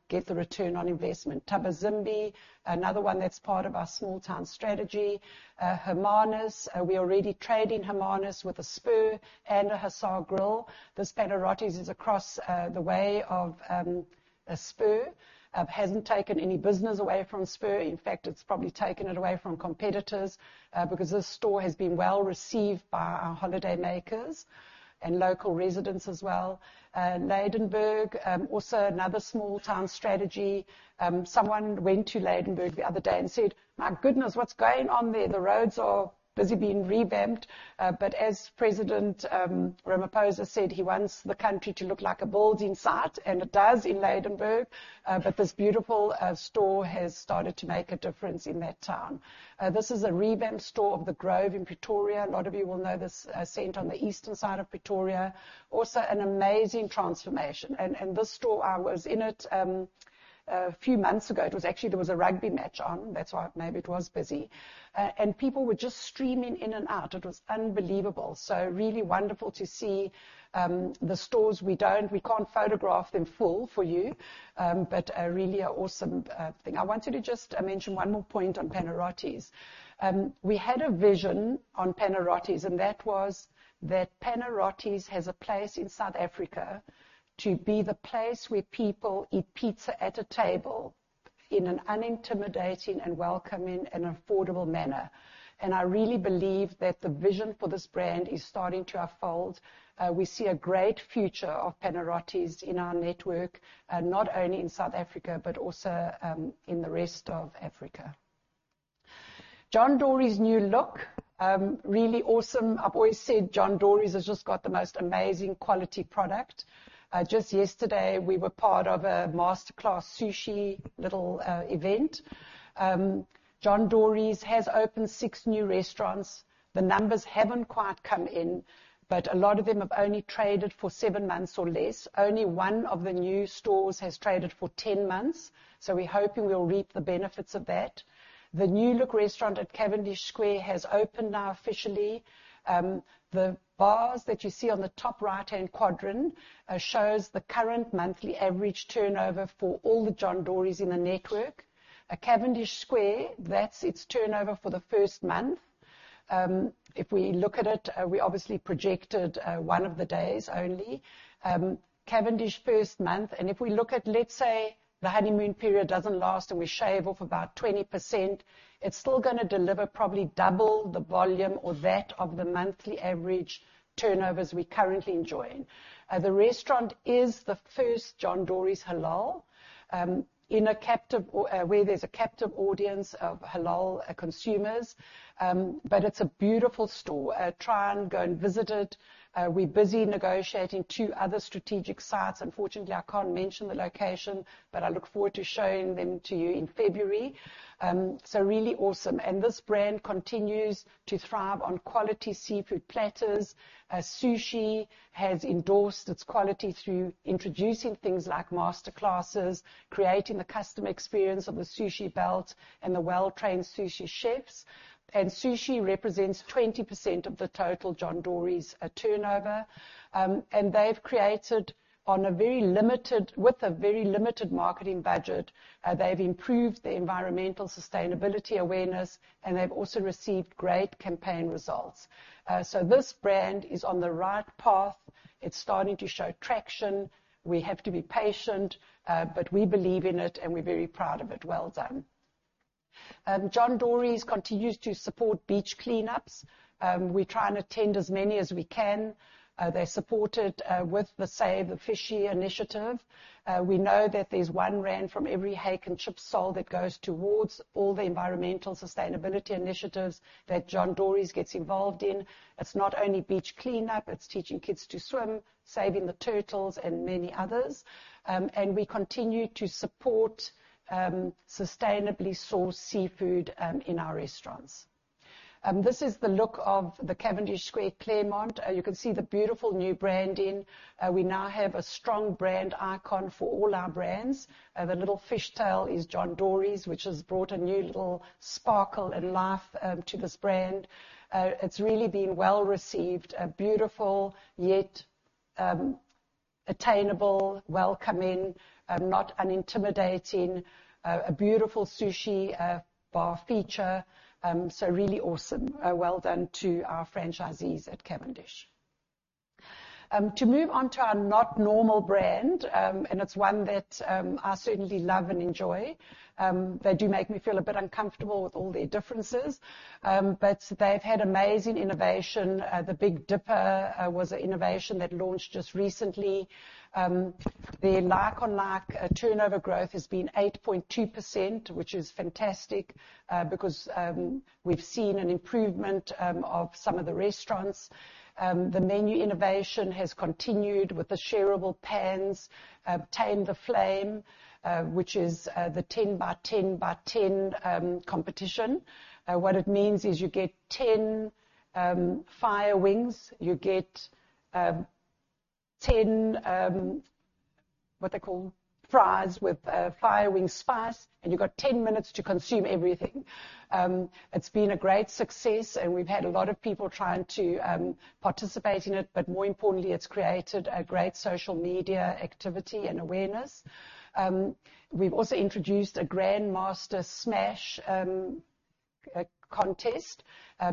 get the return on investment. Thabazimbi, another one that's part of our small town strategy. Hermanus, we already trade in Hermanus with a Spur and a Hussar Grill. This Panarottis is across the way of a Spur. Hasn't taken any business away from Spur. In fact, it's probably taken it away from competitors because this store has been well-received by our holidaymakers and local residents as well. Lydenburg, also another small town strategy. Someone went to Lydenburg the other day and said, "My goodness, what's going on there? The roads are busy being revamped." But as President Ramaphosa said, he wants the country to look like a building site, and it does in Lydenburg. But this beautiful store has started to make a difference in that town. This is a revamped store of The Grove in Pretoria. A lot of you will know this center on the eastern side of Pretoria. Also, an amazing transformation. And this store, I was in it a few months ago. It was actually, there was a rugby match on, that's why maybe it was busy, and people were just streaming in and out. It was unbelievable. So really wonderful to see the stores. We don't we can't photograph them full for you, but really an awesome thing. I wanted to just mention one more point on Panarottis. We had a vision on Panarottis, and that was that Panarottis has a place in South Africa to be the place where people eat pizza at a table in an unintimidating and welcoming and affordable manner, and I really believe that the vision for this brand is starting to unfold. We see a great future of Panarottis in our network, not only in South Africa, but also in the rest of Africa. John Dory's new look, really awesome. I've always said John Dory's has just got the most amazing quality product. Just yesterday, we were part of a master class sushi little event. John Dory's has opened six new restaurants. The numbers haven't quite come in, but a lot of them have only traded for seven months or less. Only one of the new stores has traded for ten months, so we're hoping we'll reap the benefits of that. The new look restaurant at Cavendish Square has opened now officially. The bars that you see on the top right-hand quadrant shows the current monthly average turnover for all the John Dory’s in the network. At Cavendish Square, that's its turnover for the first month. If we look at it, we obviously projected one of the days only. Cavendish first month, and if we look at, let's say, the honeymoon period doesn't last and we shave off about 20%, it's still gonna deliver probably double the volume or that of the monthly average turnovers we currently enjoy. The restaurant is the first John Dory’s halal in a captive where there's a captive audience of halal consumers, but it's a beautiful store. Try and go and visit it. We're busy negotiating two other strategic sites. Unfortunately, I can't mention the location, but I look forward to showing them to you in February, so really awesome. And this brand continues to thrive on quality seafood platters, as sushi has endorsed its quality through introducing things like master classes, creating the customer experience of the sushi belt, and the well-trained sushi chefs. And sushi represents 20% of the total John Dory’s turnover. And they've created with a very limited marketing budget, they've improved the environmental sustainability awareness, and they've also received great campaign results, so this brand is on the right path. It's starting to show traction. We have to be patient, but we believe in it, and we're very proud of it. Well done. John Dory's continues to support beach cleanups. We try and attend as many as we can. They're supported with the Save the Fishies initiative. We know that there's one rand from every hake and chip sold that goes towards all the environmental sustainability initiatives that John Dory's gets involved in. It's not only beach cleanup, it's teaching kids to swim, saving the turtles, and many others, and we continue to support sustainably sourced seafood in our restaurants. This is the look of the Cavendish Square, Claremont. You can see the beautiful new branding. We now have a strong brand icon for all our brands. The little fishtail is John Dory's, which has brought a new little sparkle and life to this brand. It's really been well-received. A beautiful, yet attainable, welcoming, not unintimidating, a beautiful sushi bar feature. So really awesome. Well done to our franchisees at Cavendish. To move on to our RocoMamas brand, and it's one that I certainly love and enjoy. They do make me feel a bit uncomfortable with all their differences, but they've had amazing innovation. The Big Dipper was an innovation that launched just recently. Their like-for-like turnover growth has been 8.2%, which is fantastic, because we've seen an improvement of some of the restaurants. The menu innovation has continued with the shareable pans. Tame the Flame, which is the 10 by 10 by 10 competition. What it means is you get 10 Fire Wings, you get 10 what they call fries with Fire Wings spice, and you've got 10 minutes to consume everything. It's been a great success, and we've had a lot of people trying to participate in it, but more importantly, it's created a great social media activity and awareness. We've also introduced a Grand Master Smash contest.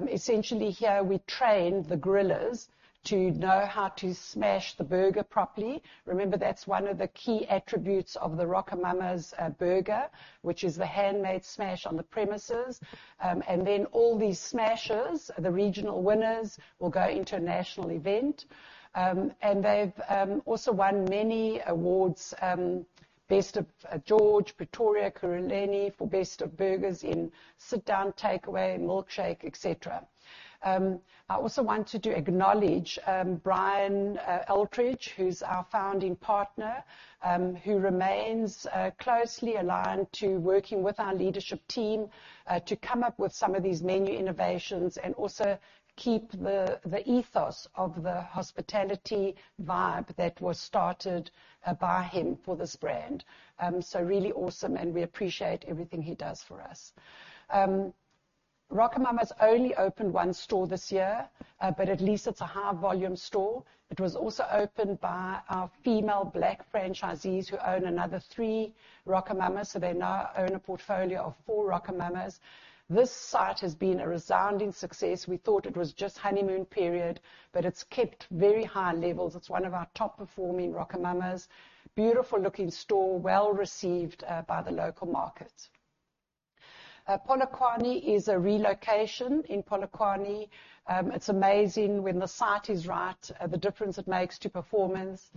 Essentially, here we train the grillers to know how to smash the burger properly. Remember, that's one of the key attributes of the RocoMamas burger, which is the handmade smash on the premises, and then all these smashers, the regional winners, will go into a national event. And they've also won many awards, Best of George, Pretoria, Ekurhuleni, for best of burgers in sit-down, takeaway, milkshake, et cetera. I also wanted to acknowledge Brian Altrich, who's our founding partner, who remains closely aligned to working with our leadership team to come up with some of these menu innovations and also keep the ethos of the hospitality vibe that was started by him for this brand. So really awesome, and we appreciate everything he does for us. RocoMamas only opened one store this year, but at least it's a high-volume store. It was also opened by our female Black franchisees, who own another three RocoMamas, so they now own a portfolio of four RocoMamas. This site has been a resounding success. We thought it was just honeymoon period, but it's kept very high levels. It's one of our top-performing RocoMamas. Beautiful-looking store, well-received by the local market. Polokwane is a relocation in Polokwane. It's amazing when the site is right, the difference it makes to performance.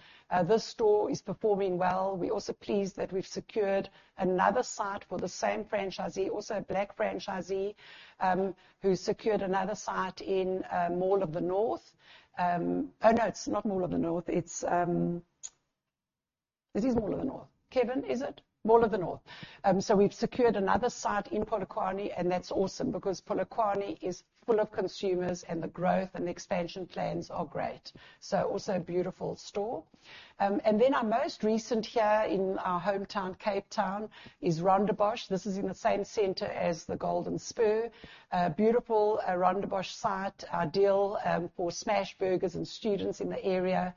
This store is performing well. We're also pleased that we've secured another site for the same franchisee, also a Black franchisee, who secured another site in Mall of the North. Oh, no, it's not Mall of the North, it's, it is Mall of the North. Kevin, is it? Mall of the North. So we've secured another site in Polokwane, and that's awesome because Polokwane is full of consumers, and the growth and expansion plans are great. So also a beautiful store. And then our most recent here in our hometown, Cape Town, is Rondebosch. This is in the same center as the Golden Spur. Beautiful Rondebosch site, ideal for smash burgers and students in the area,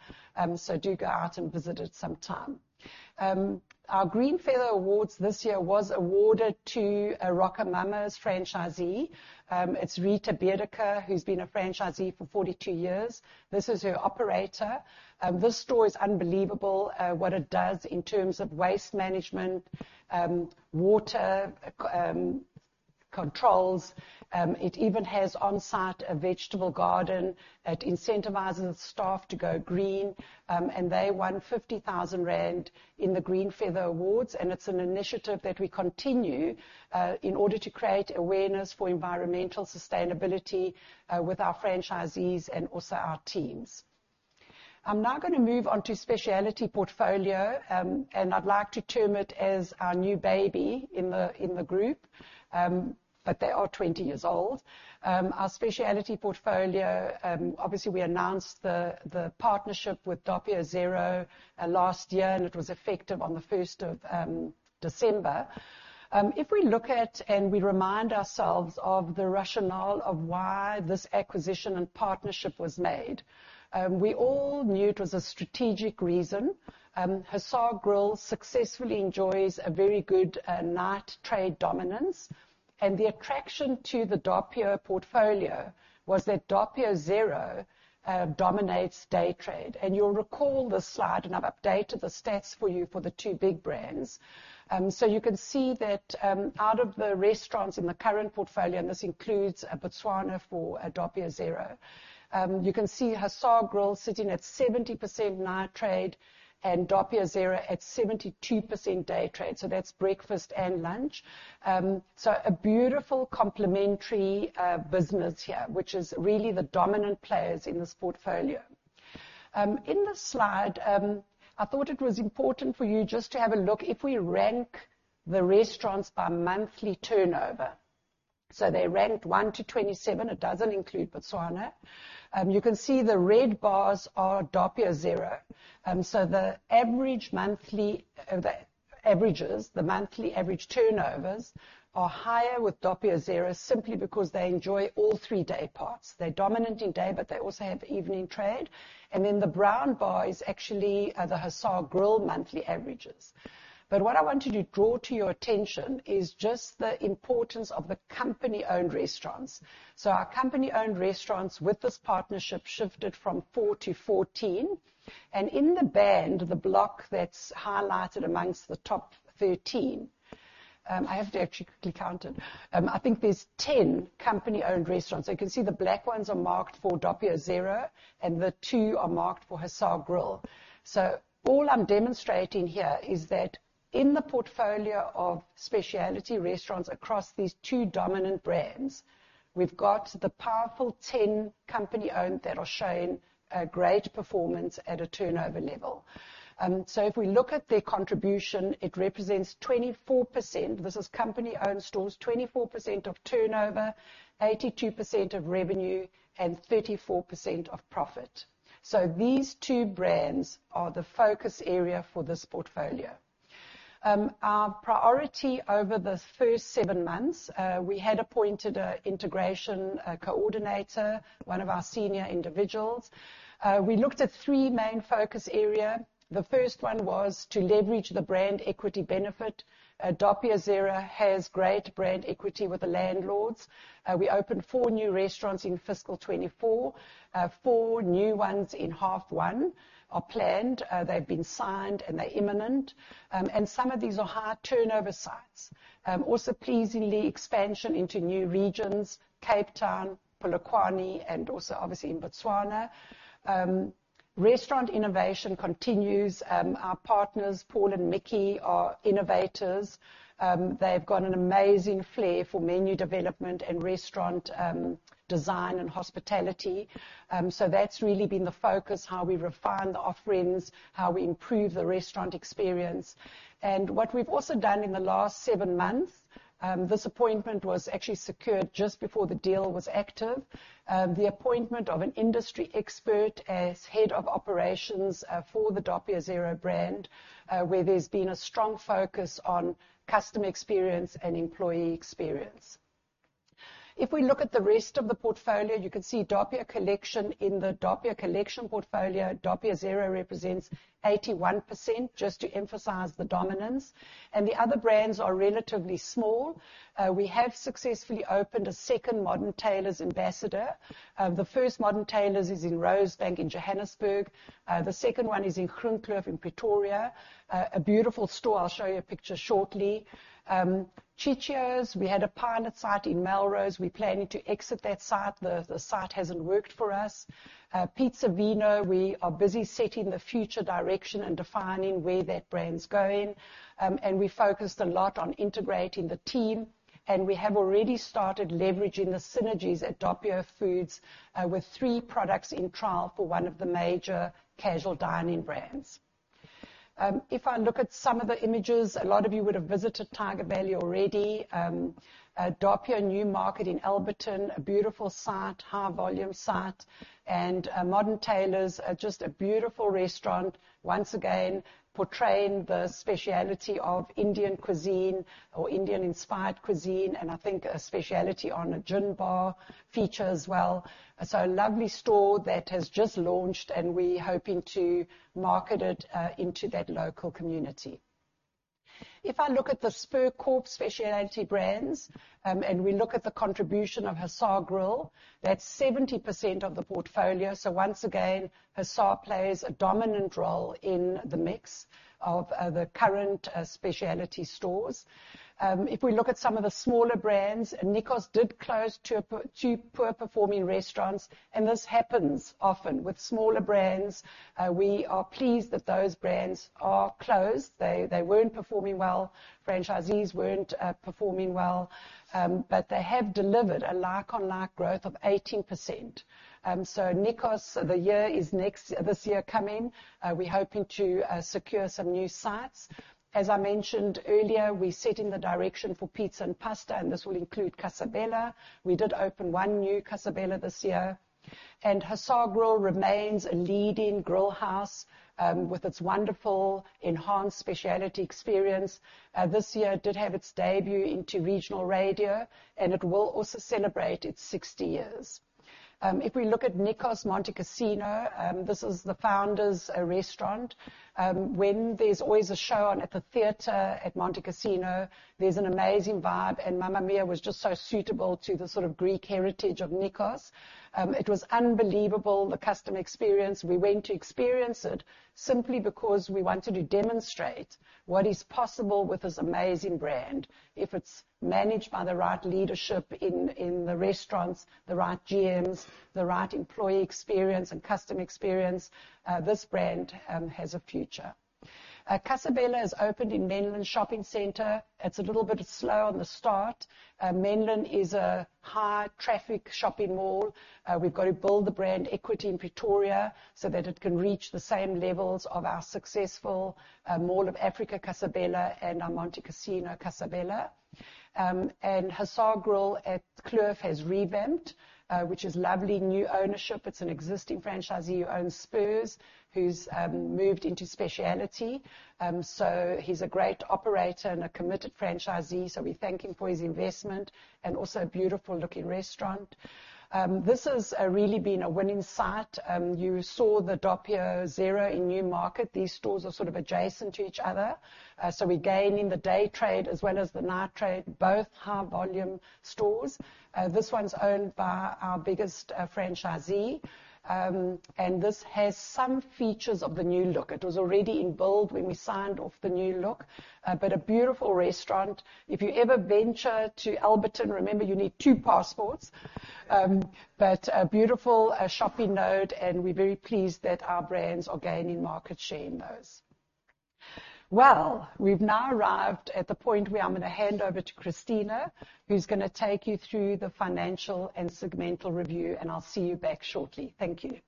so do go out and visit it sometime. Our Green Feather Awards this year was awarded to a RocoMamas franchisee. It's Rita Bierdecker, who's been a franchisee for 42 years. This is her operator. This store is unbelievable, what it does in terms of waste management, water controls. It even has on-site a vegetable garden that incentivizes staff to go green, and they won 50,000 rand in the Green Feather Awards, and it's an initiative that we continue in order to create awareness for environmental sustainability with our franchisees and also our teams. I'm now gonna move on to Specialty portfolio, and I'd like to term it as our new baby in the, in the group, but they are twenty years old. Our Specialty portfolio, obviously, we announced the, the partnership with Doppio Zero, last year, and it was effective on the 1st of, December. If we look at and we remind ourselves of the rationale of why this acquisition and partnership was made, we all knew it was a strategic reason. Hussar Grill successfully enjoys a very good, night trade dominance, and the attraction to the Doppio portfolio was that Doppio Zero, dominates day trade. And you'll recall this slide, and I've updated the stats for you for the two big brands. So you can see that out of the restaurants in the current portfolio, and this includes Botswana for Doppio Zero, you can see Hussar Grill sitting at 70% night trade and Doppio Zero at 72% day trade, so that's breakfast and lunch. So a beautiful complementary business here, which is really the dominant players in this portfolio. In this slide, I thought it was important for you just to have a look if we rank the restaurants by monthly turnover. So they're ranked one to 27, it doesn't include Botswana. You can see the red bars are Doppio Zero. So the average monthly turnovers are higher with Doppio Zero, simply because they enjoy all three day parts. They're dominant in day, but they also have evening trade, and then the brown bar is actually the Hussar Grill monthly averages. But what I want to draw to your attention is just the importance of the company-owned restaurants. So our company-owned restaurants with this partnership shifted from four to 14, and in the band, the block that's highlighted amongst the top 13, I have to actually quickly count it. I think there's 10 company-owned restaurants. You can see the black ones are marked for Doppio Zero, and the two are marked for Hussar Grill. So all I'm demonstrating here is that in the portfolio of specialty restaurants across these two dominant brands, we've got the powerful 10 company-owned that are showing a great performance at a turnover level. So if we look at their contribution, it represents 24%. This is company-owned stores, 24% of turnover, 82% of revenue, and 34% of profit, so these two brands are the focus area for this portfolio. Our priority over the first seven months, we had appointed a integration coordinator, one of our senior individuals. We looked at three main focus area. The first one was to leverage the brand equity benefit. Doppio Zero has great brand equity with the landlords. We opened four new restaurants in fiscal 2024. Four new ones in half one are planned. They've been signed, and they're imminent, and some of these are high turnover sites. Also, pleasingly expansion into new regions, Cape Town, Polokwane, and also obviously in Botswana. Restaurant innovation continues. Our partners, Paul and Miki, are innovators. They've got an amazing flair for menu development and restaurant design and hospitality. So that's really been the focus, how we refine the offerings, how we improve the restaurant experience. And what we've also done in the last seven months, this appointment was actually secured just before the deal was active. The appointment of an industry expert as head of operations for the Doppio Zero brand, where there's been a strong focus on customer experience and employee experience. If we look at the rest of the portfolio, you can see Doppio Collection in the Doppio Collection portfolio, Doppio Zero represents 81%, just to emphasize the dominance, and the other brands are relatively small. We have successfully opened a second Modern Tailors Ambassador. The first Modern Tailors is in Rosebank in Johannesburg. The second one is in Krugersdorp in Pretoria, a beautiful store. I'll show you a picture shortly. Ciccio's, we had a pilot site in Melrose. We're planning to exit that site. The site hasn't worked for us. Piza ē Vino, we are busy setting the future direction and defining where that brand's going. And we focused a lot on integrating the team, and we have already started leveraging the synergies at Doppio Foods, with three products in trial for one of the major casual dining brands. If I look at some of the images, a lot of you would have visited Tyger Valley already. Doppio New Market in Alberton, a beautiful site, high volume site, and Modern Tailors, just a beautiful restaurant, once again, portraying the specialty of Indian cuisine or Indian-inspired cuisine, and I think a specialty on a gin bar feature as well. So a lovely store that has just launched, and we're hoping to market it into that local community. If I look at the Spur Corp specialty brands, and we look at the contribution of Hussar Grill, that's 70% of the portfolio. So once again, Hussar plays a dominant role in the mix of the current specialty stores. If we look at some of the smaller brands, Nikos did close two poor-performing restaurants, and this happens often with smaller brands. We are pleased that those brands are closed. They weren't performing well, franchisees weren't performing well, but they have delivered a like-for-like growth of 18%. So Nikos, the year is next, this year coming. We're hoping to secure some new sites. As I mentioned earlier, we're setting the direction for pizza and pasta, and this will include Casa Bella. We did open one new Casa Bella this year, and Hussar Grill remains a leading grill house, with its wonderful enhanced speciality experience. This year, it did have its debut into regional radio, and it will also celebrate its 60 years. If we look at Nikos Montecasino, this is the founder's restaurant. When there's always a show on at the theater at Montecasino, there's an amazing vibe, and Mamma Mia was just so suitable to the sort of Greek heritage of Nikos. It was unbelievable, the customer experience. We went to experience it simply because we wanted to demonstrate what is possible with this amazing brand. If it's managed by the right leadership in the restaurants, the right GMs, the right employee experience and customer experience, this brand has a future. Casa Bella has opened in Menlyn Shopping Centre. It's a little bit slow on the start. Menlyn is a high traffic shopping mall. We've got to build the brand equity in Pretoria so that it can reach the same levels of our successful Mall of Africa Casa Bella and our Montecasino Casa Bella. And Hussar Grill at Kloof has revamped, which is lovely new ownership. It's an existing franchisee who owns Spurs, who's moved into specialty. So he's a great operator and a committed franchisee, so we thank him for his investment, and also a beautiful looking restaurant. This has really been a winning site. You saw the Doppio Zero in New Market. These stores are sort of adjacent to each other, so we gain in the day trade as well as the night trade, both high volume stores. This one's owned by our biggest franchisee, and this has some features of the new look. It was already in build when we signed off the new look, but a beautiful restaurant. If you ever venture to Alberton, remember, you need two passports, but a beautiful shopping node, and we're very pleased that our brands are gaining market share in those. We've now arrived at the point where I'm gonna hand over to Cristina, who's gonna take you through the financial and segmental review, and I'll see you back shortly. Thank you.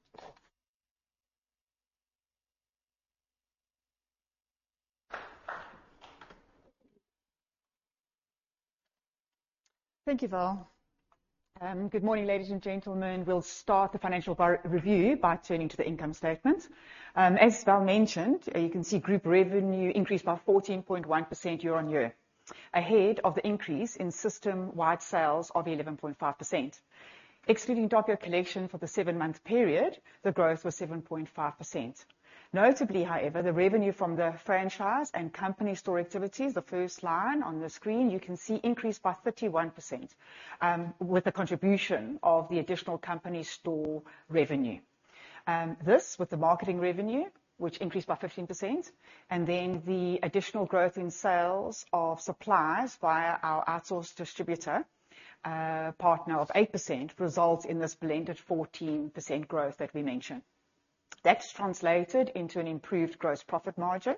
Thank you, Val. Good morning, ladies and gentlemen. We'll start the financial review by turning to the income statement. As Val mentioned, you can see group revenue increased by 14.1% year-on-year, ahead of the increase in system-wide sales of 11.5%. Excluding Doppio Collection for the seven-month period, the growth was 7.5%. Notably, however, the revenue from the franchise and company store activities, the first line on the screen, you can see increased by 31%, with the contribution of the additional company store revenue. This, with the marketing revenue, which increased by 15%, and then the additional growth in sales of suppliers via our outsourced distributor partner of 8%, results in this blended 14% growth that we mentioned. That's translated into an improved gross profit margin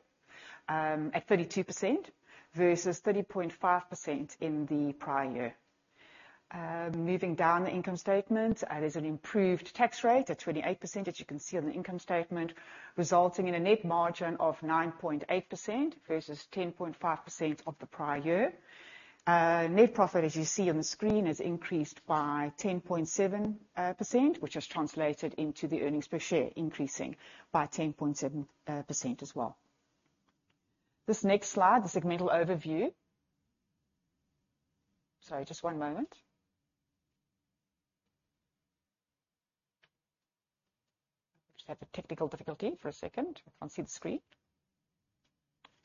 at 32% versus 30.5% in the prior year. Moving down the income statement, there's an improved tax rate at 28%, as you can see on the income statement, resulting in a net margin of 9.8% versus 10.5% of the prior year. Net profit, as you see on the screen, has increased by 10.7% which has translated into the earnings per share, increasing by 10.7% as well. This next slide, the segmental overview. Sorry, just one moment. We just had a technical difficulty for a second. I can't see the screen.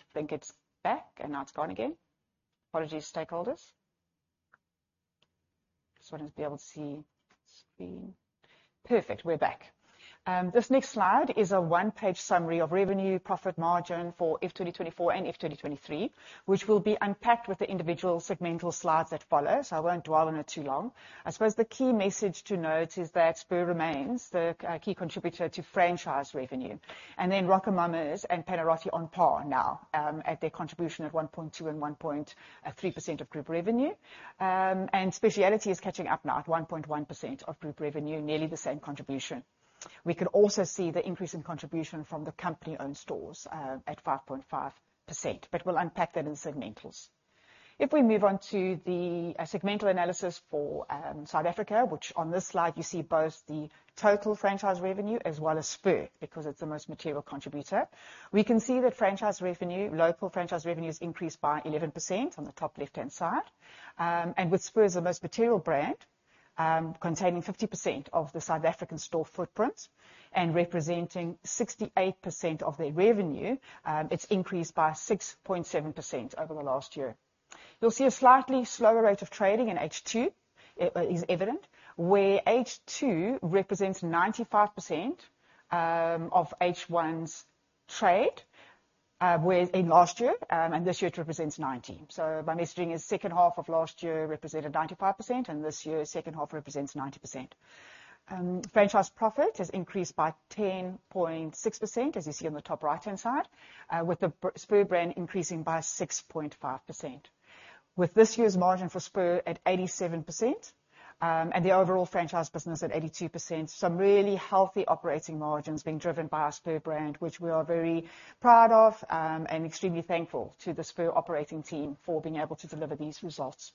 I think it's back, and now it's gone again. Apologies, stakeholders. Just want us to be able to see the screen. Perfect, we're back. This next slide is a one-page summary of revenue profit margin for FY 2024 and FY 2023, which will be unpacked with the individual segmental slides that follow, so I won't dwell on it too long. I suppose the key message to note is that Spur remains the key contributor to franchise revenue, and then RocoMamas and Panarottis on par now, at their contribution at 1.2% and 1.3% of group revenue, and Speciality is catching up now at 1.1% of group revenue, nearly the same contribution. We could also see the increase in contribution from the company-owned stores at 5.5%, but we'll unpack that in segmentals. If we move on to the segmental analysis for South Africa, which on this slide you see both the total franchise revenue as well as Spur, because it's the most material contributor. We can see that franchise revenue, local franchise revenue, has increased by 11% on the top left-hand side, and with Spur as the most material brand, containing 50% of the South African store footprint and representing 68% of their revenue, it's increased by 6.7% over the last year. You'll see a slightly slower rate of trading in H2 is evident, where H2 represents 95% of H1's trade, in last year, and this year it represents 90%. So my messaging is second half of last year represented 95%, and this year, second half represents 90%. Franchise profit has increased by 10.6%, as you see on the top right-hand side, with the Spur brand increasing by 6.5%, with this year's margin for Spur at 87%, and the overall franchise business at 82%. Some really healthy operating margins being driven by our Spur brand, which we are very proud of, and extremely thankful to the Spur operating team for being able to deliver these results.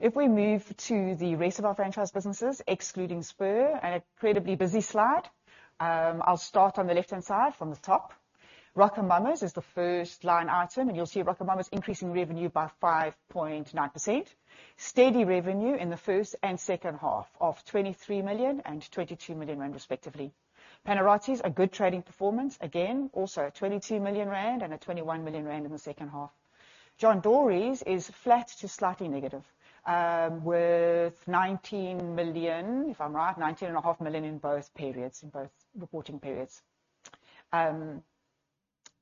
If we move to the rest of our franchise businesses, excluding Spur, an incredibly busy slide, I'll start on the left-hand side from the top. RocoMamas is the first line item, and you'll see RocoMamas increasing revenue by 5.9%. Steady revenue in the first and second half of 23 million and 22 million rand respectively. Panarottis, a good trading performance, again, also 22 million rand and 21 million rand in the second half. John Dory’s is flat to slightly negative, with 19 million, if I'm right, 19.5 million in both periods, in both reporting periods.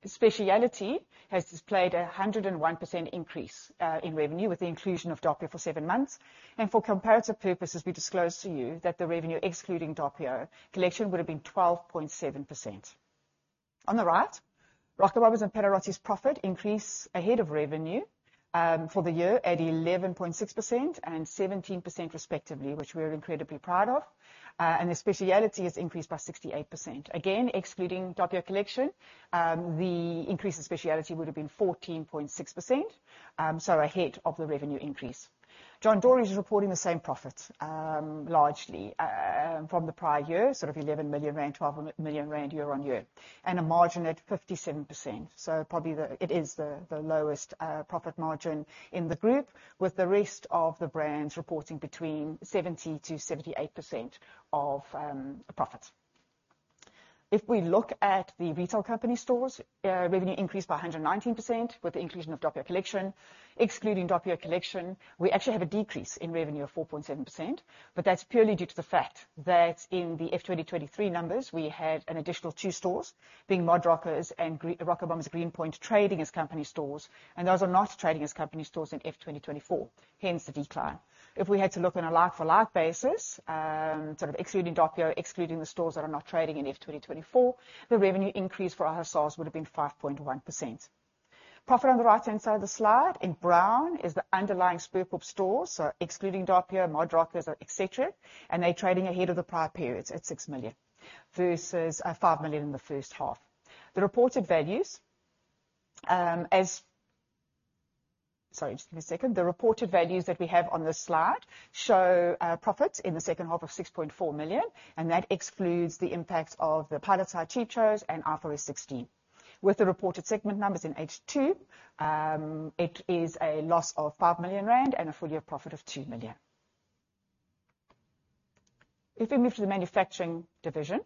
Specialty has displayed a 101% increase, in revenue with the inclusion of Doppio for seven months, and for comparative purposes, we disclose to you that the revenue excluding Doppio Collection would have been 12.7%. On the right, RocoMamas and Panarottis profit increase ahead of revenue, for the year at 11.6% and 17% respectively, which we are incredibly proud of, and the specialty has increased by 68%. Again, excluding Doppio Collection, the increase in specialty would have been 14.6%, so ahead of the revenue increase. John Dory’s is reporting the same profits, largely, from the prior year, sort of 11 million rand, 12 million rand year-on-year, and a margin at 57%. So probably it is the lowest profit margin in the group, with the rest of the brands reporting between 70% to 78% of the profits. If we look at the retail company stores, revenue increased by 119% with the inclusion of Doppio Collection. Excluding Doppio Collection, we actually have a decrease in revenue of 4.7%, but that's purely due to the fact that in the FY 2023 numbers, we had an additional two stores, being Modrockers and Rocabams Green Point, trading as company stores, and those are not trading as company stores in FY 2024, hence the decline. If we had to look on a like-for-like basis, sort of excluding Doppio, excluding the stores that are not trading in FY 2024, the revenue increase for other stores would have been 5.1%. Profit on the right-hand side of the slide in brown is the underlying Spur group stores, so excluding Doppio, Modrockers, etc, and they're trading ahead of the prior periods at 6 million, versus, 5 million in the first half. The reported values that we have on this slide show profits in the second half of 6.4 million, and that excludes the impact of the PPA, Ciccio's, and IFRS 16. With the reported segment numbers in H2, it is a loss of 5 million rand and a full-year profit of 2 million. If we move to the manufacturing division,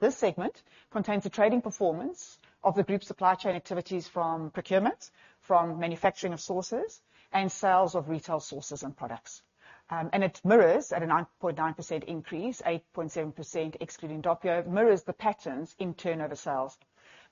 this segment contains the trading performance of the group's supply chain activities from procurement, from manufacturing of sauces, and sales of retail sauces and products. And it mirrors a 9.9% increase, 8.7% excluding Doppio, mirrors the patterns in turnover sales.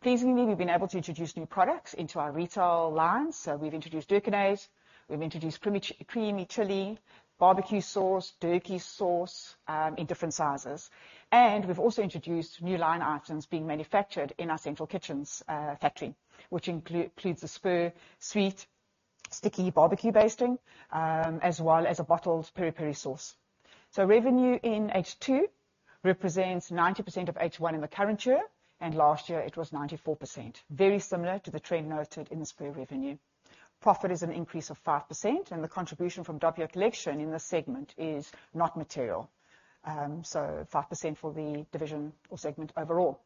Pleasingly, we've been able to introduce new products into our retail lines, so we've introduced Durkinaise, we've introduced Creamy Chili, Barbecue Sauce, Durky Sauce, in different sizes. And we've also introduced new line items being manufactured in our central kitchens, factory, which includes the Spur sweet, sticky barbecue basting, as well as a bottled peri peri sauce. So revenue in H2 represents 90% of H1 in the current year, and last year it was 94%, very similar to the trend noted in the Spur revenue. Profit is an increase of 5%, and the contribution from Doppio Collection in this segment is not material. So 5% for the division or segment overall.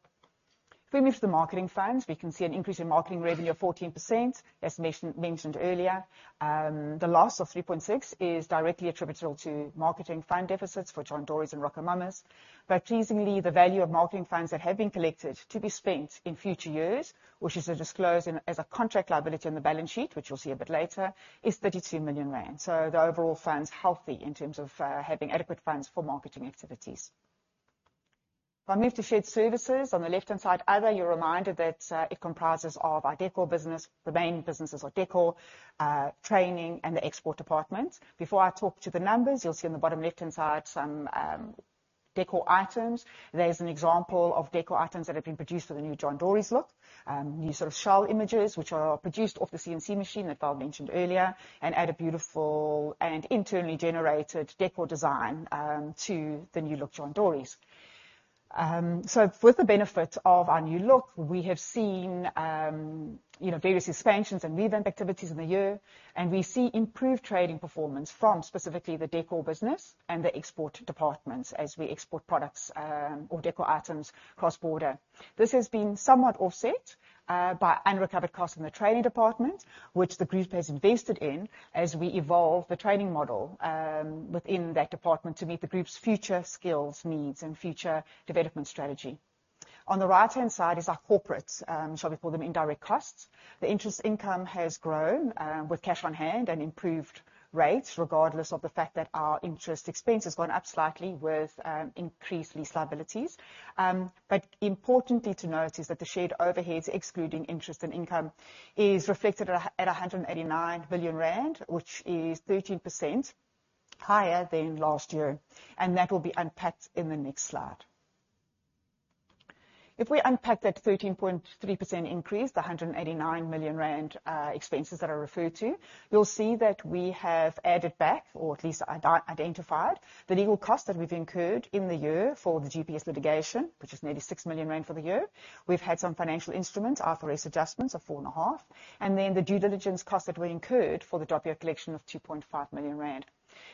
If we move to the marketing funds, we can see an increase in marketing revenue of 14%. As mentioned earlier, the loss of 3.6 is directly attributable to marketing fund deficits for John Dory’s and RocoMamas. But pleasingly, the value of marketing funds that have been collected to be spent in future years, which is disclosed as a contract liability on the balance sheet, which you'll see a bit later, is 32 million rand. So the overall fund's healthy in terms of having adequate funds for marketing activities. If I move to shared services, on the left-hand side, other, you're reminded that it comprises of our decor business, the main businesses are decor, training, and the export department. Before I talk to the numbers, you'll see on the bottom left-hand side some decor items. There's an example of decor items that have been produced for the new John Dory’s look, new sort of shell images, which are produced off the CNC machine that Val mentioned earlier, and add a beautiful and internally generated decor design to the new-look John Dory’s. So with the benefit of our new look, we have seen, you know, various expansions and revamp activities in the year, and we see improved trading performance from specifically the decor business and the export departments, as we export products or decor items cross-border. This has been somewhat offset by unrecovered costs in the trading department, which the group has invested in as we evolve the training model within that department to meet the group's future skills needs and future development strategy. On the right-hand side is our corporate, shall we call them, indirect costs. The interest income has grown with cash on hand and improved rates, regardless of the fact that our interest expense has gone up slightly with increased lease liabilities. But importantly to note is that the shared overheads, excluding interest and income, is reflected at 189 billion rand, which is 13% higher than last year, and that will be unpacked in the next slide. If we unpack that 13.3% increase, the 189 million rand expenses that I referred to, you'll see that we have added back, or at least identified, the legal costs that we've incurred in the year for the GPS litigation, which is nearly 6 million rand for the year. We've had some financial instruments, IFRS adjustments of 4.5, and then the due diligence costs that we incurred for the Doppio Collection of 2.5 million rand.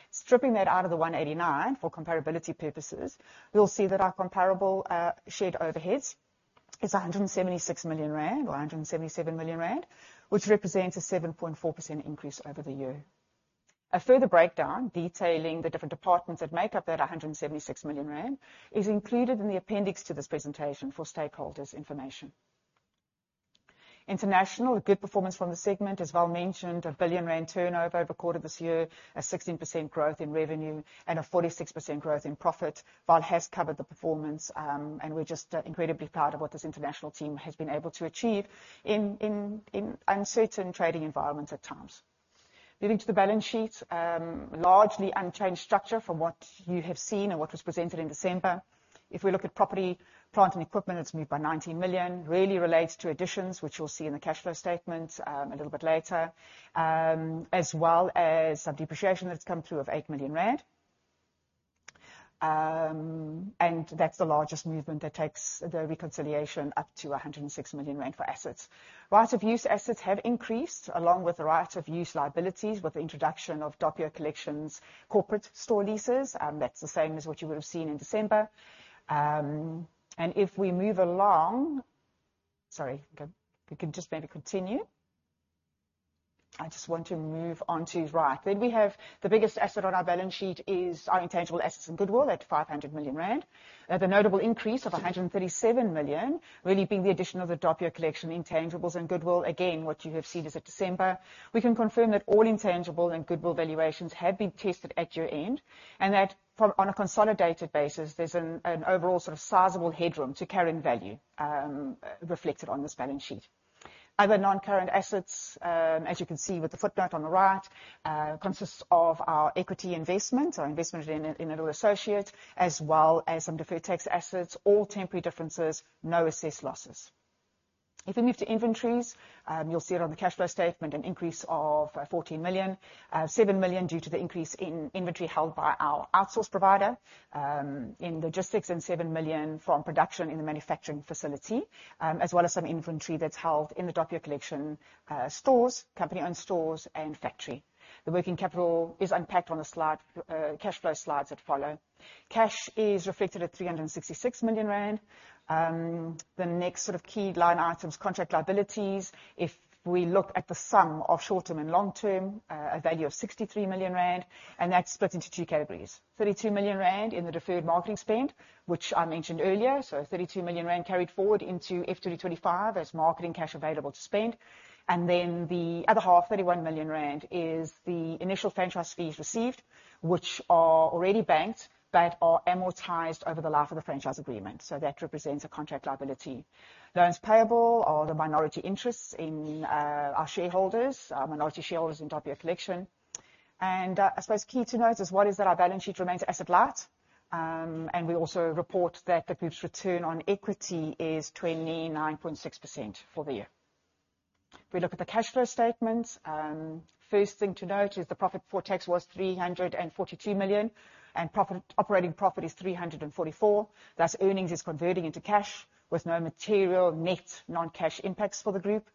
Stripping that out of the 189 million for comparability purposes, you'll see that our comparable shared overheads is 176 million rand or 177 million rand, which represents a 7.4% increase over the year. A further breakdown detailing the different departments that make up that 176 million rand is included in the appendix to this presentation for stakeholders' information. International. Good performance from the segment, as Val mentioned, 1 billion rand turnover recorded this year, 16% growth in revenue and 46% growth in profit. Val has covered the performance, and we're just, incredibly proud of what this international team has been able to achieve in uncertain trading environments at times. Moving to the balance sheet, largely unchanged structure from what you have seen and what was presented in December. If we look at property, plant and equipment, it's moved by 90 million, really relates to additions, which you'll see in the cash flow statement, a little bit later. As well as some depreciation that's come through of 8 million rand. And that's the largest movement that takes the reconciliation up to 106 million rand for assets. Right-of-use assets have increased along with the right-of-use liabilities, with the introduction of Doppio Collection's corporate store leases. That's the same as what you would have seen in December. And if we move along. Sorry, we can just maybe continue. I just want to move on to, right. Then we have the biggest asset on our balance sheet is our intangible assets and goodwill, at 500 million rand, at a notable increase of 137 million, really being the addition of the Doppio Collection intangibles and goodwill. Again, what you have seen as at December. We can confirm that all intangible and goodwill valuations have been tested at year-end, and that from on a consolidated basis, there's an overall sort of sizable headroom to carrying value reflected on this balance sheet. Other non-current assets, as you can see with the footnote on the right, consists of our equity investment, our investment in another associate, as well as some deferred tax assets, all temporary differences, no assessed losses. If we move to inventories, you'll see it on the cash flow statement, an increase of 14 million, 7 million due to the increase in inventory held by our outsource provider in logistics, and 7 million from production in the manufacturing facility, as well as some inventory that's held in the Doppio Collection stores, company-owned stores and factory. The working capital is unpacked on the slide, cash flow slides that follow. Cash is reflected at 366 million rand. The next sort of key line item's contract liabilities. If we look at the sum of short-term and long-term, a value of 63 million rand, and that's split into two categories: 32 million rand in the deferred marketing spend, which I mentioned earlier, so 32 million rand carried forward into 2025 as marketing cash available to spend. And then the other half, 31 million rand, is the initial franchise fees received, which are already banked but are amortized over the life of the franchise agreement, so that represents a contract liability. Loans payable are the minority interests in our shareholders, minority shareholders in Doppio Collection. I suppose key to note is what is that our balance sheet remains asset light, and we also report that the group's return on equity is 29.6% for the year. If we look at the cash flow statement, first thing to note is the profit before tax was 342 million, and operating profit is 344 million, thus earnings is converting into cash with no material net non-cash impacts for the group.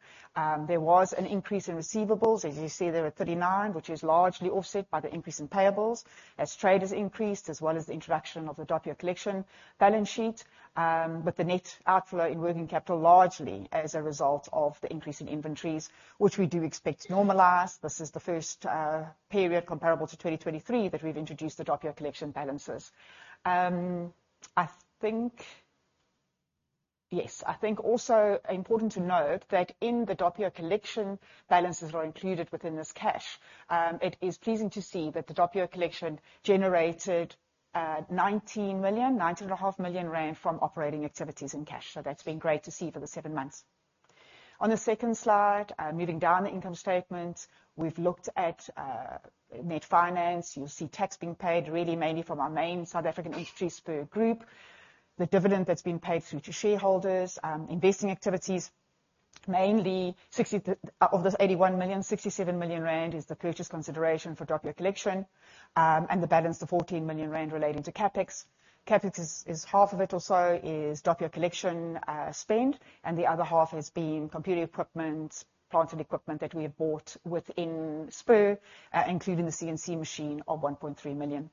There was an increase in receivables. As you see there at 39 million, which is largely offset by the increase in payables as trade has increased, as well as the introduction of the Doppio Collection balance sheet, but the net outflow in working capital largely as a result of the increase in inventories, which we do expect to normalize. This is the first period comparable to 2023 that we've introduced the Doppio Collection balances. Yes, I think also important to note that in the Doppio Collection, balances are included within this cash. It is pleasing to see that the Doppio Collection generated 19 million, 19.5 million rand from operating activities in cash. So that's been great to see for the seven months. On the second slide, moving down the income statement, we've looked at net finance. You'll see tax being paid really mainly from our main South African industries per group, the dividend that's been paid through to shareholders, investing activities, mainly 60% of this 81 million, 67 million rand is the purchase consideration for Doppio Collection, and the balance of 14 million rand relating to CapEx. CapEx is half of it or so is Doppio Collection spend, and the other half has been computer equipment, plant and equipment that we have bought within Spur, including the CNC machine of 1.3 million.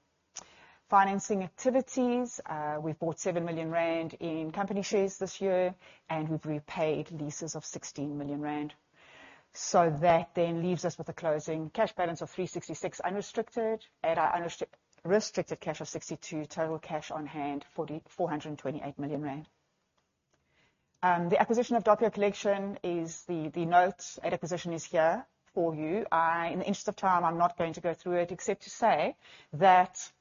Financing activities, we've bought 7 million rand in company shares this year, and we've repaid leases of 16 million rand. So that then leaves us with a closing cash balance of 366 million unrestricted, and our unrestricted cash of 62 million, total cash on hand 428 million rand. The acquisition of Doppio Collection, the note at acquisition is here for you. In the interest of time, I'm not going to go through it except to say that,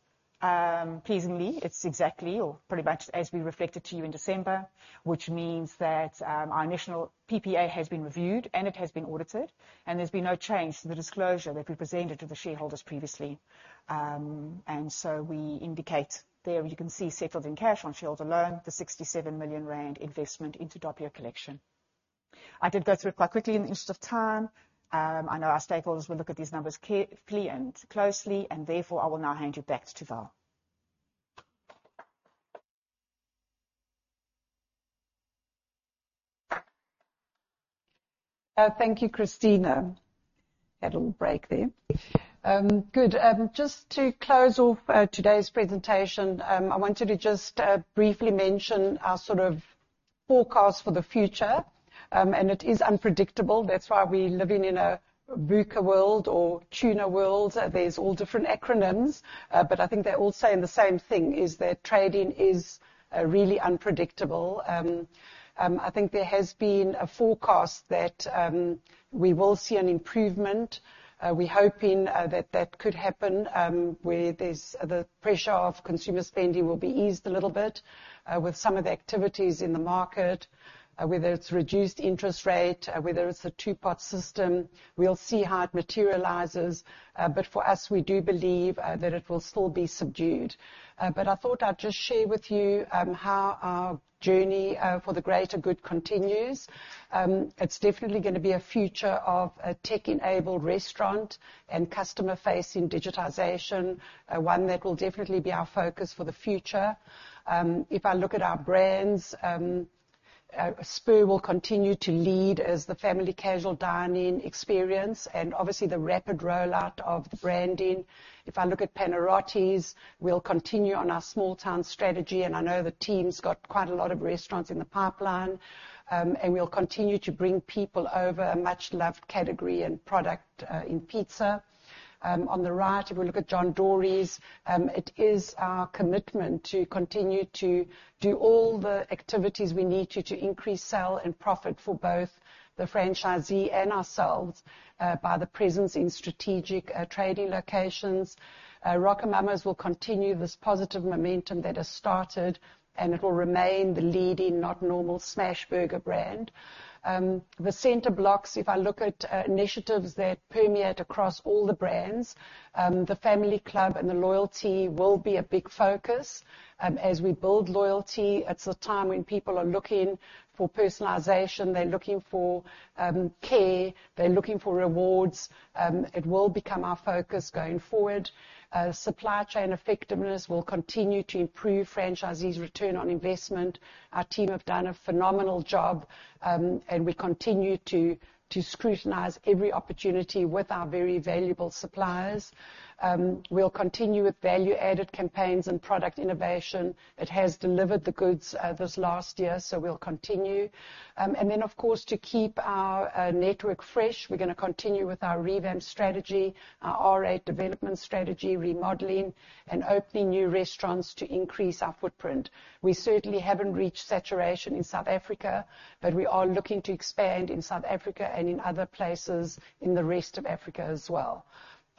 pleasingly, it's exactly or pretty much as we reflected to you in December, which means that, our initial PPA has been reviewed, and it has been audited, and there's been no change to the disclosure that we presented to the shareholders previously. And so we indicate. There you can see, settled in cash on shareholder loan, the 67 million rand investment into Doppio Collection. I did go through it quite quickly in the interest of time. I know our stakeholders will look at these numbers clearly and closely, and therefore, I will now hand you back to Val. Thank you, Cristina. Had a little break there. Good. Just to close off today's presentation, I wanted to just briefly mention our forecast for the future, and it is unpredictable. That's why we're living in a VUCA world or VUCA world. There's all different acronyms, but I think they're all saying the same thing, is that trading is really unpredictable. I think there has been a forecast that we will see an improvement. We're hoping that that could happen, where the pressure of consumer spending will be eased a little bit, with some of the activities in the market, whether it's reduced interest rate, whether it's a two-pot system. We'll see how it materializes. But for us, we do believe that it will still be subdued. But I thought I'd just share with you how our journey for the greater good continues. It's definitely gonna be a future of a tech-enabled restaurant and customer-facing digitization, one that will definitely be our focus for the future. If I look at our brands, Spur will continue to lead as the family casual dining experience, and obviously, the rapid rollout of the branding. If I look at Panarottis, we'll continue on our small town strategy, and I know the team's got quite a lot of restaurants in the pipeline. And we'll continue to bring people over a much-loved category and product, in pizza. On the right, if we look at John Dory's, it is our commitment to continue to do all the activities we need to, to increase sale and profit for both the franchisee and ourselves, by the presence in strategic trading locations. RocoMamas will continue this positive momentum that has started, and it will remain the leading, not normal smash burger brand. The center blocks, if I look at initiatives that permeate across all the brands, the family club and the loyalty will be a big focus. As we build loyalty, it is a time when people are looking for personalization, they are looking for care, they are looking for rewards. It will become our focus going forward. Supply chain effectiveness will continue to improve franchisees' return on investment. Our team have done a phenomenal job, and we continue to scrutinize every opportunity with our very valuable suppliers. We'll continue with value-added campaigns and product innovation. It has delivered the goods, this last year, so we'll continue. And then, of course, to keep our network fresh, we're gonna continue with our revamp strategy, our R8 development strategy, remodeling, and opening new restaurants to increase our footprint. We certainly haven't reached saturation in South Africa, but we are looking to expand in South Africa and in other places in the rest of Africa as well.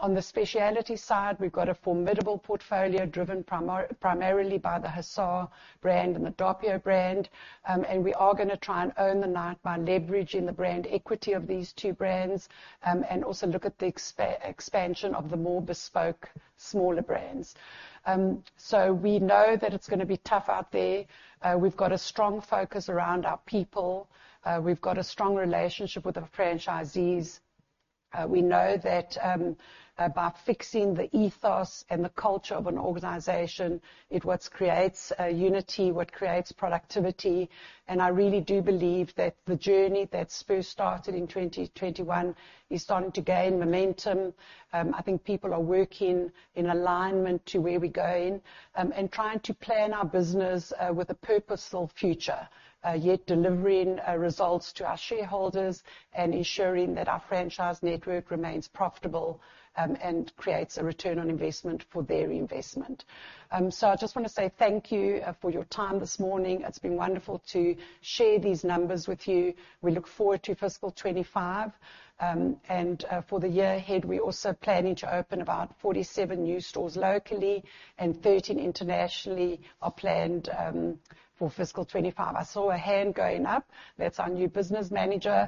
On the specialty side, we've got a formidable portfolio driven primarily by the Hussar brand and the Doppio brand. And we are gonna try and own the night by leveraging the brand equity of these two brands, and also look at the expansion of the more bespoke, smaller brands. So we know that it's gonna be tough out there. We've got a strong focus around our people. We've got a strong relationship with the franchisees. We know that about fixing the ethos and the culture of an organization, it's what creates unity, what creates productivity, and I really do believe that the journey that Spur started in 2021 is starting to gain momentum. I think people are working in alignment to where we're going, and trying to plan our business, with a purposeful future, yet delivering results to our shareholders and ensuring that our franchise network remains profitable, and creates a return on investment for their investment. So I just wanna say thank you, for your time this morning. It's been wonderful to share these numbers with you. We look forward to fiscal 2025. For the year ahead, we're also planning to open about 47 new stores locally and 13 internationally are planned, for fiscal 2025. I saw a hand going up. That's our new business manager,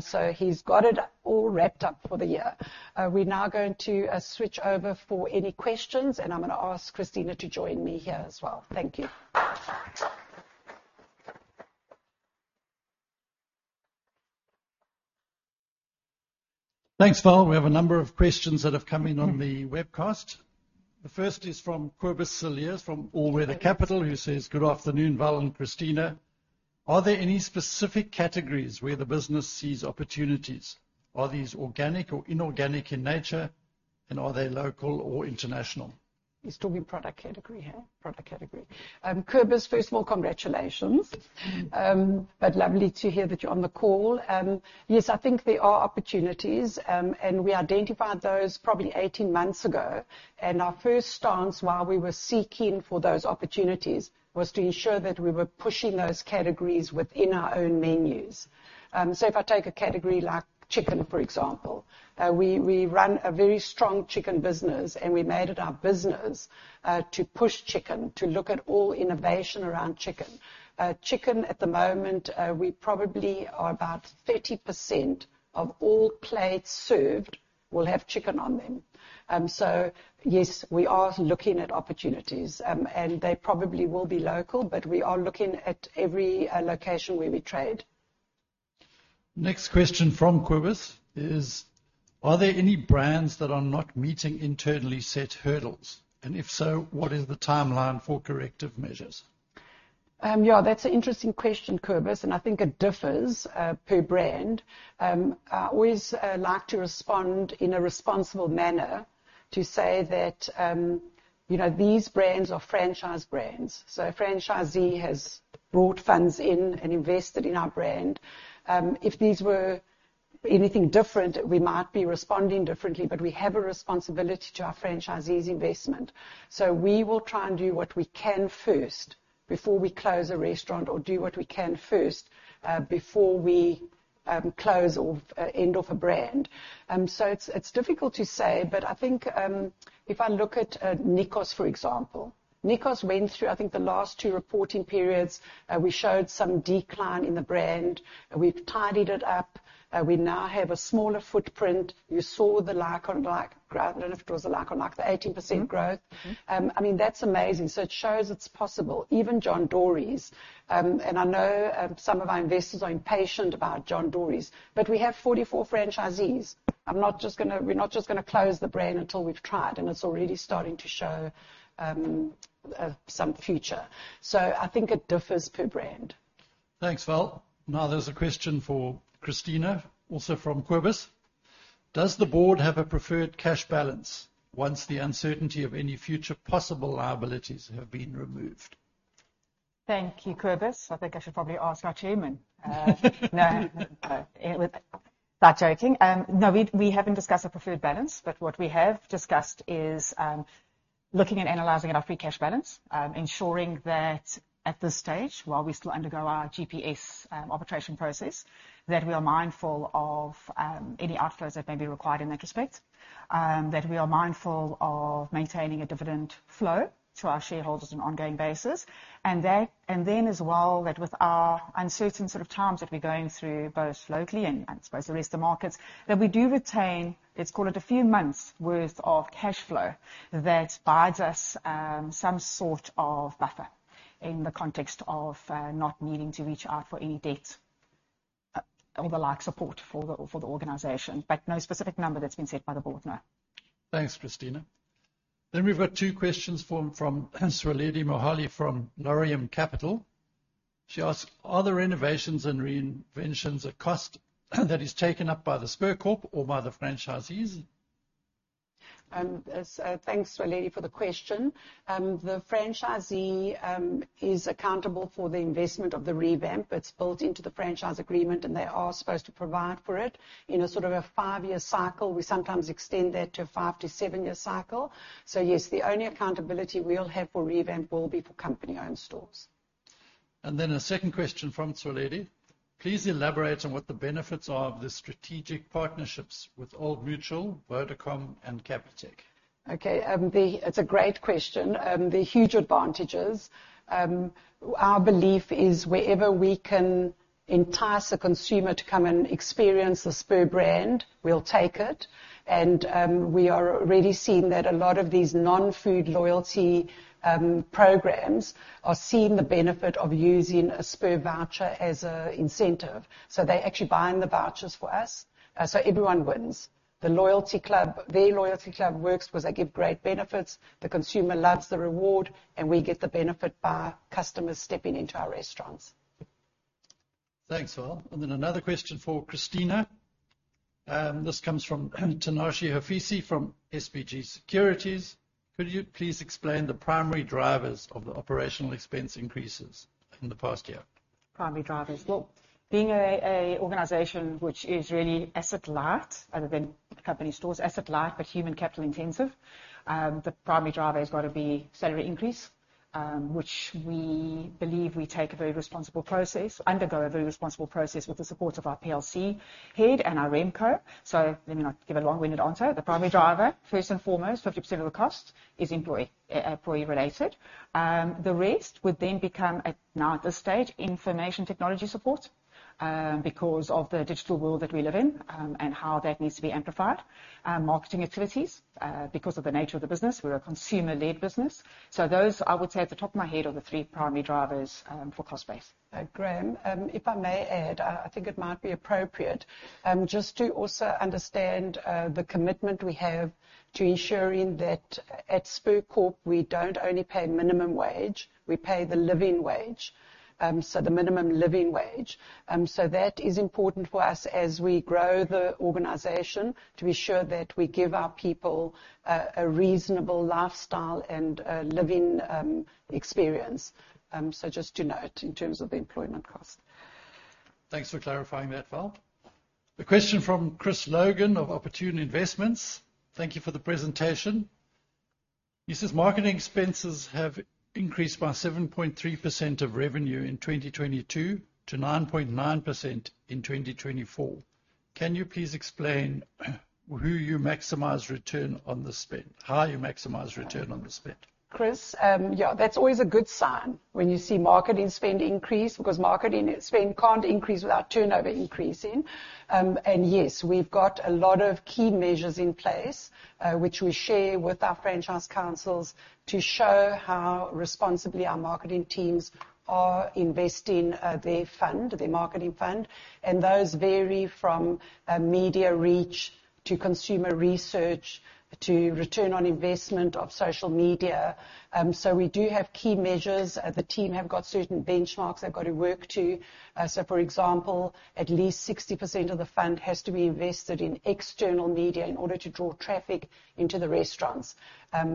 so he's got it all wrapped up for the year. We're now going to switch over for any questions, and I'm gonna ask Cristina to join me here as well. Thank you. Thanks, Val. We have a number of questions that have come in on the webcast. The first is from Kobus Cilliers, from All Weather Capital, who says: "Good afternoon, Val and Cristina. Are there any specific categories where the business sees opportunities? Are these organic or inorganic in nature, and are they local or international? He's talking product category, huh? Product category. Kobus, first of all, congratulations. But lovely to hear that you're on the call. Yes, I think there are opportunities, and we identified those probably eighteen months ago, and our first stance, while we were seeking for those opportunities, was to ensure that we were pushing those categories within our own menus. So if I take a category like chicken, for example, we run a very strong chicken business, and we made it our business to push chicken, to look at all innovation around chicken. Chicken, at the moment, we probably are about 30% of all plates served will have chicken on them. So yes, we are looking at opportunities, and they probably will be local, but we are looking at every location where we trade. Next question from Kobus is: "Are there any brands that are not meeting internally set hurdles? And if so, what is the timeline for corrective measures? Yeah, that's an interesting question, Kobus, and I think it differs per brand. I always like to respond in a responsible manner to say that, you know, these brands are franchise brands, so a franchisee has brought funds in and invested in our brand. If these were anything different, we might be responding differently, but we have a responsibility to our franchisees' investment. So we will try and do what we can first before we close a restaurant, or do what we can first before we close or end of a brand. So it's difficult to say, but I think if I look at Nikos, for example, Nikos went through, I think, the last two reporting periods, we showed some decline in the brand, and we've tidied it up. We now have a smaller footprint. You saw the like-on-like growth. I don't know if it was a like-on-like, the 18% growth. I mean, that's amazing. So it shows it's possible. Even John Dory's, and I know some of our investors are impatient about John Dory's, but we have 44 franchisees. I'm not just gonna- we're not just gonna close the brand until we've tried, and it's already starting to show some future. So I think it differs per brand. Thanks, Val. Now there's a question for Cristina, also from Kobus: Does the board have a preferred cash balance once the uncertainty of any future possible liabilities have been removed? Thank you, Kobus. I think I should probably ask our chairman. No, we haven't discussed a preferred balance, but what we have discussed is looking and analyzing at our free cash balance, ensuring that at this stage, while we still undergo our GPS arbitration process, that we are mindful of any outflows that may be required in that respect, that we are mindful of maintaining a dividend flow to our shareholders on an ongoing basis. And that, and then as well, that with our uncertain sort of times that we're going through, both locally and, I suppose, the rest of markets, that we do retain, let's call it a few months' worth of cash flow that buys us some sort of buffer in the context of not needing to reach out for any debt or the like, support for the organization. But no specific number that's been set by the board, no. Thanks, Cristina. Then we've got two questions from Swaledi Mohali from Noriam Capital. She asks: Are the renovations and reinventions a cost that is taken up by the Spur Corp or by the franchisees? Thanks, Swaledi, for the question. The franchisee is accountable for the investment of the revamp. It's built into the franchise agreement, and they are supposed to provide for it in a sort of a five-year cycle. We sometimes extend that to a five to seven-year cycle. So yes, the only accountability we'll have for revamp will be for company-owned stores. Then a second question from Swaledi: Please elaborate on what the benefits are of the strategic partnerships with Old Mutual, Vodacom, and Capitec. Okay, it's a great question. There are huge advantages. Our belief is, wherever we can entice a consumer to come and experience the Spur brand, we'll take it, and we are already seeing that a lot of these non-food loyalty programs are seeing the benefit of using a Spur voucher as an incentive. So they're actually buying the vouchers for us, so everyone wins. The loyalty club, their loyalty club works because they give great benefits, the consumer loves the reward, and we get the benefit by customers stepping into our restaurants. Thanks, Val. And then another question for Cristina, this comes from Tinashe Hofisi from SBG Securities: Could you please explain the primary drivers of the operational expense increases in the past year? Primary drivers being a organization which is really asset light, other than company stores, asset light, but human capital intensive, the primary driver has got to be salary increase, which we believe we take a very responsible process, undergo a very responsible process with the support of our PLC head and our REMCO. So let me not give a long-winded answer. The primary driver, first and foremost, 50% of the cost is employee-related. The rest would then become, now at this stage, information technology support, because of the digital world that we live in, and how that needs to be amplified. Marketing activities, because of the nature of the business, we're a consumer-led business. So those, I would say, off the top of my head, are the three primary drivers for cost base. Graham, if I may add, I think it might be appropriate, just to also understand, the commitment we have to ensuring that at Spur Corp, we don't only pay minimum wage, we pay the living wage, so the minimum living wage. So that is important for us as we grow the organization, to be sure that we give our people a reasonable lifestyle and a living experience. So just to note in terms of the employment cost. Thanks for clarifying that, Val. A question from Chris Logan of Opportune Investments: Thank you for the presentation. He says, "Marketing expenses have increased by 7.3% of revenue in 2022 to 9.9% in 2024. Can you please explain who you maximize return on the spend - how you maximize return on the spend? Chris, yeah, that's always a good sign when you see marketing spend increase, because marketing spend can't increase without turnover increasing. And yes, we've got a lot of key measures in place, which we share with our franchise councils to show how responsibly our marketing teams are investing, their fund, their marketing fund. And those vary from media reach, to consumer research, to return on investment of social media. So we do have key measures. The team have got certain benchmarks they've got to work to. So for example, at least 60% of the fund has to be invested in external media in order to draw traffic into the restaurants.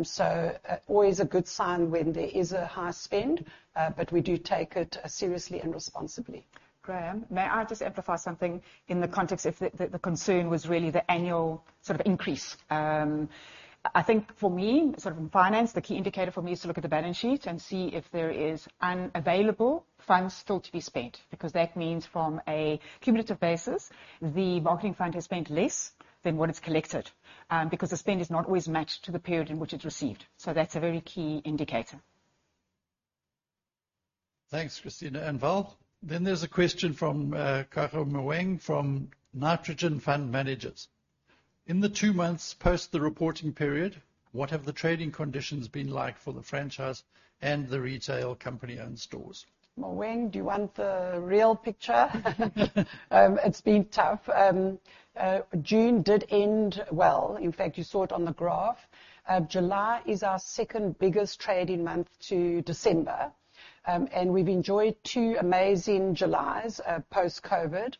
So, always a good sign when there is a high spend, but we do take it seriously and responsibly. Graham, may I just amplify something in the context of the concern was really the annual sort of increase? I think for me, sort of in finance, the key indicator for me is to look at the balance sheet and see if there is unavailable funds still to be spent, because that means from a cumulative basis, the marketing fund has spent less than what it's collected, because the spend is not always matched to the period in which it's received. So that's a very key indicator. Thanks, Cristina and Val. Then there's a question from Khara Moeng, from Nitrogen Fund Managers: In the two months post the reporting period, what have the trading conditions been like for the franchise and the retail company-owned stores? Moeng, do you want the real picture? It's been tough. June did end well. In fact, you saw it on the graph. July is our second biggest trading month to December, and we've enjoyed two amazing Julys, post-COVID.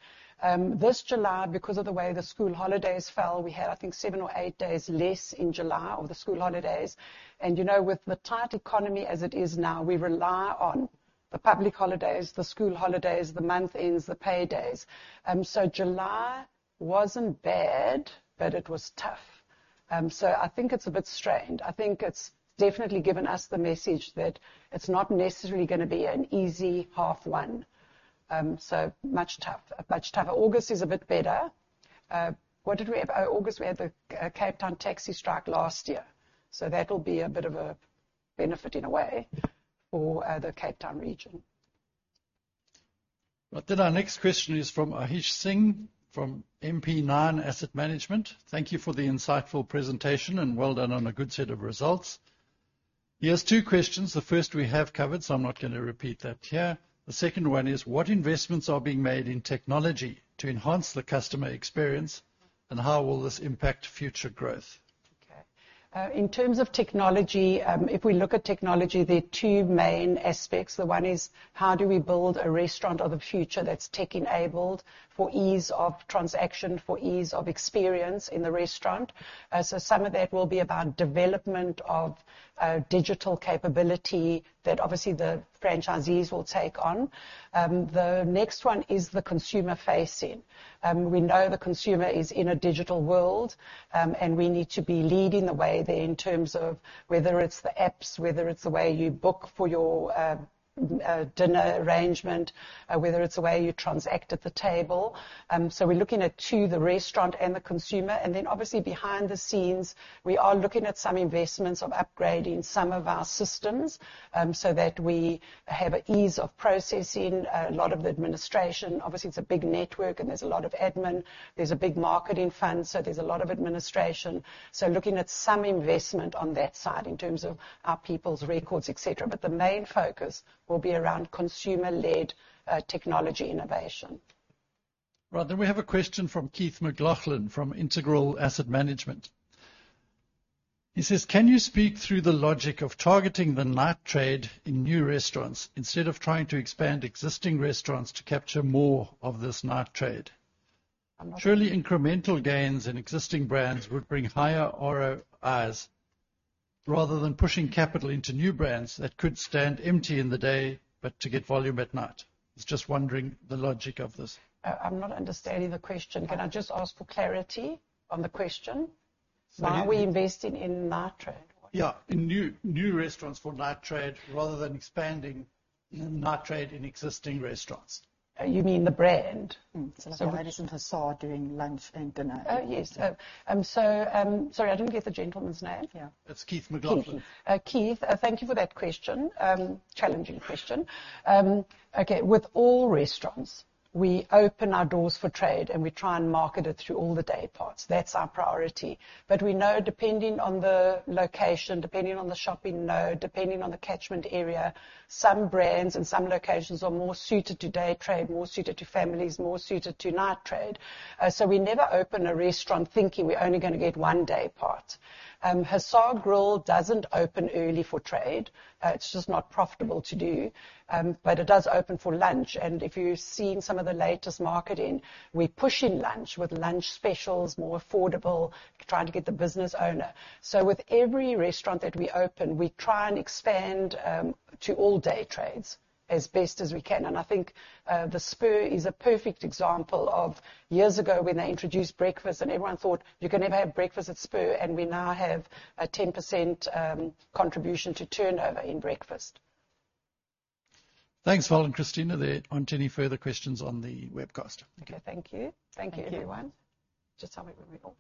This July, because of the way the school holidays fell, we had, I think, seven or eight days less in July of the school holidays, and, you know, with the tight economy as it is now, we rely on the public holidays, the school holidays, the month ends, the paydays. So July wasn't bad, but it was tough. I think it's a bit strained. I think it's definitely given us the message that it's not necessarily gonna be an easy half one. Much tougher, much tougher. August is a bit better. What did we have? August, we had the Cape Town taxi strike last year, so that'll be a bit of a benefit in a way for the Cape Town region. But then our next question is from Ashish Singh, from MP9 Asset Management. Thank you for the insightful presentation, and well done on a good set of results. He has two questions. The first we have covered, so I'm not gonna repeat that here. The second one is: What investments are being made in technology to enhance the customer experience, and how will this impact future growth? Okay. In terms of technology, if we look at technology, there are two main aspects. The one is, how do we build a restaurant of the future that's tech-enabled for ease of transaction, for ease of experience in the restaurant? So some of that will be about development of, digital capability that obviously the franchisees will take on. The next one is the consumer facing. We know the consumer is in a digital world, and we need to be leading the way there in terms of whether it's the apps, whether it's the way you book for your, dinner arrangement, or whether it's the way you transact at the table. So we're looking at two, the restaurant and the consumer. And then obviously behind the scenes, we are looking at some investments of upgrading some of our systems, so that we have an ease of processing, a lot of the administration. Obviously, it's a big network, and there's a lot of admin. There's a big marketing fund, so there's a lot of administration, so looking at some investment on that side in terms of our people's records, etc. But the main focus will be around consumer-led, technology innovation. Right. Then we have a question from Keith McLachlan, from Integral Asset Management. He says: Can you speak through the logic of targeting the night trade in new restaurants, instead of trying to expand existing restaurants to capture more of this night trade? Surely incremental gains in existing brands would bring higher ROIs, rather than pushing capital into new brands that could stand empty in the day, but to get volume at night. He's just wondering the logic of this. I'm not understanding the question. Can I just ask for clarity on the question? Are we investing in night trade? Yeah, in new restaurants for night trade, rather than expanding night trade in existing restaurants. Oh, you mean the brand? So like a Harare Hussar doing lunch and dinner. Oh, yes. Sorry, I didn't get the gentleman's name. Yeah. It's Keith McLachlan. Keith. Keith, thank you for that question, challenging question. Okay, with all restaurants, we open our doors for trade, and we try and market it through all the day parts. That's our priority. But we know depending on the location, depending on the shopping node, depending on the catchment area, some brands and some locations are more suited to day trade, more suited to families, more suited to night trade. So we never open a restaurant thinking we're only gonna get one day part. Hussar Grill doesn't open early for trade. It's just not profitable to do. But it does open for lunch, and if you've seen some of the latest marketing, we're pushing lunch with lunch specials, more affordable, trying to get the business owner. So with every restaurant that we open, we try and expand to all day trades as best as we can, and I think, the Spur is a perfect example of years ago when they introduced breakfast, and everyone thought, "You can never have breakfast at Spur," and we now have a 10% contribution to turnover in breakfast. Thanks, Val and Cristina. There aren't any further questions on the webcast. Okay, thank you. Thank you. Thank you, everyone. Just tell me when we're off.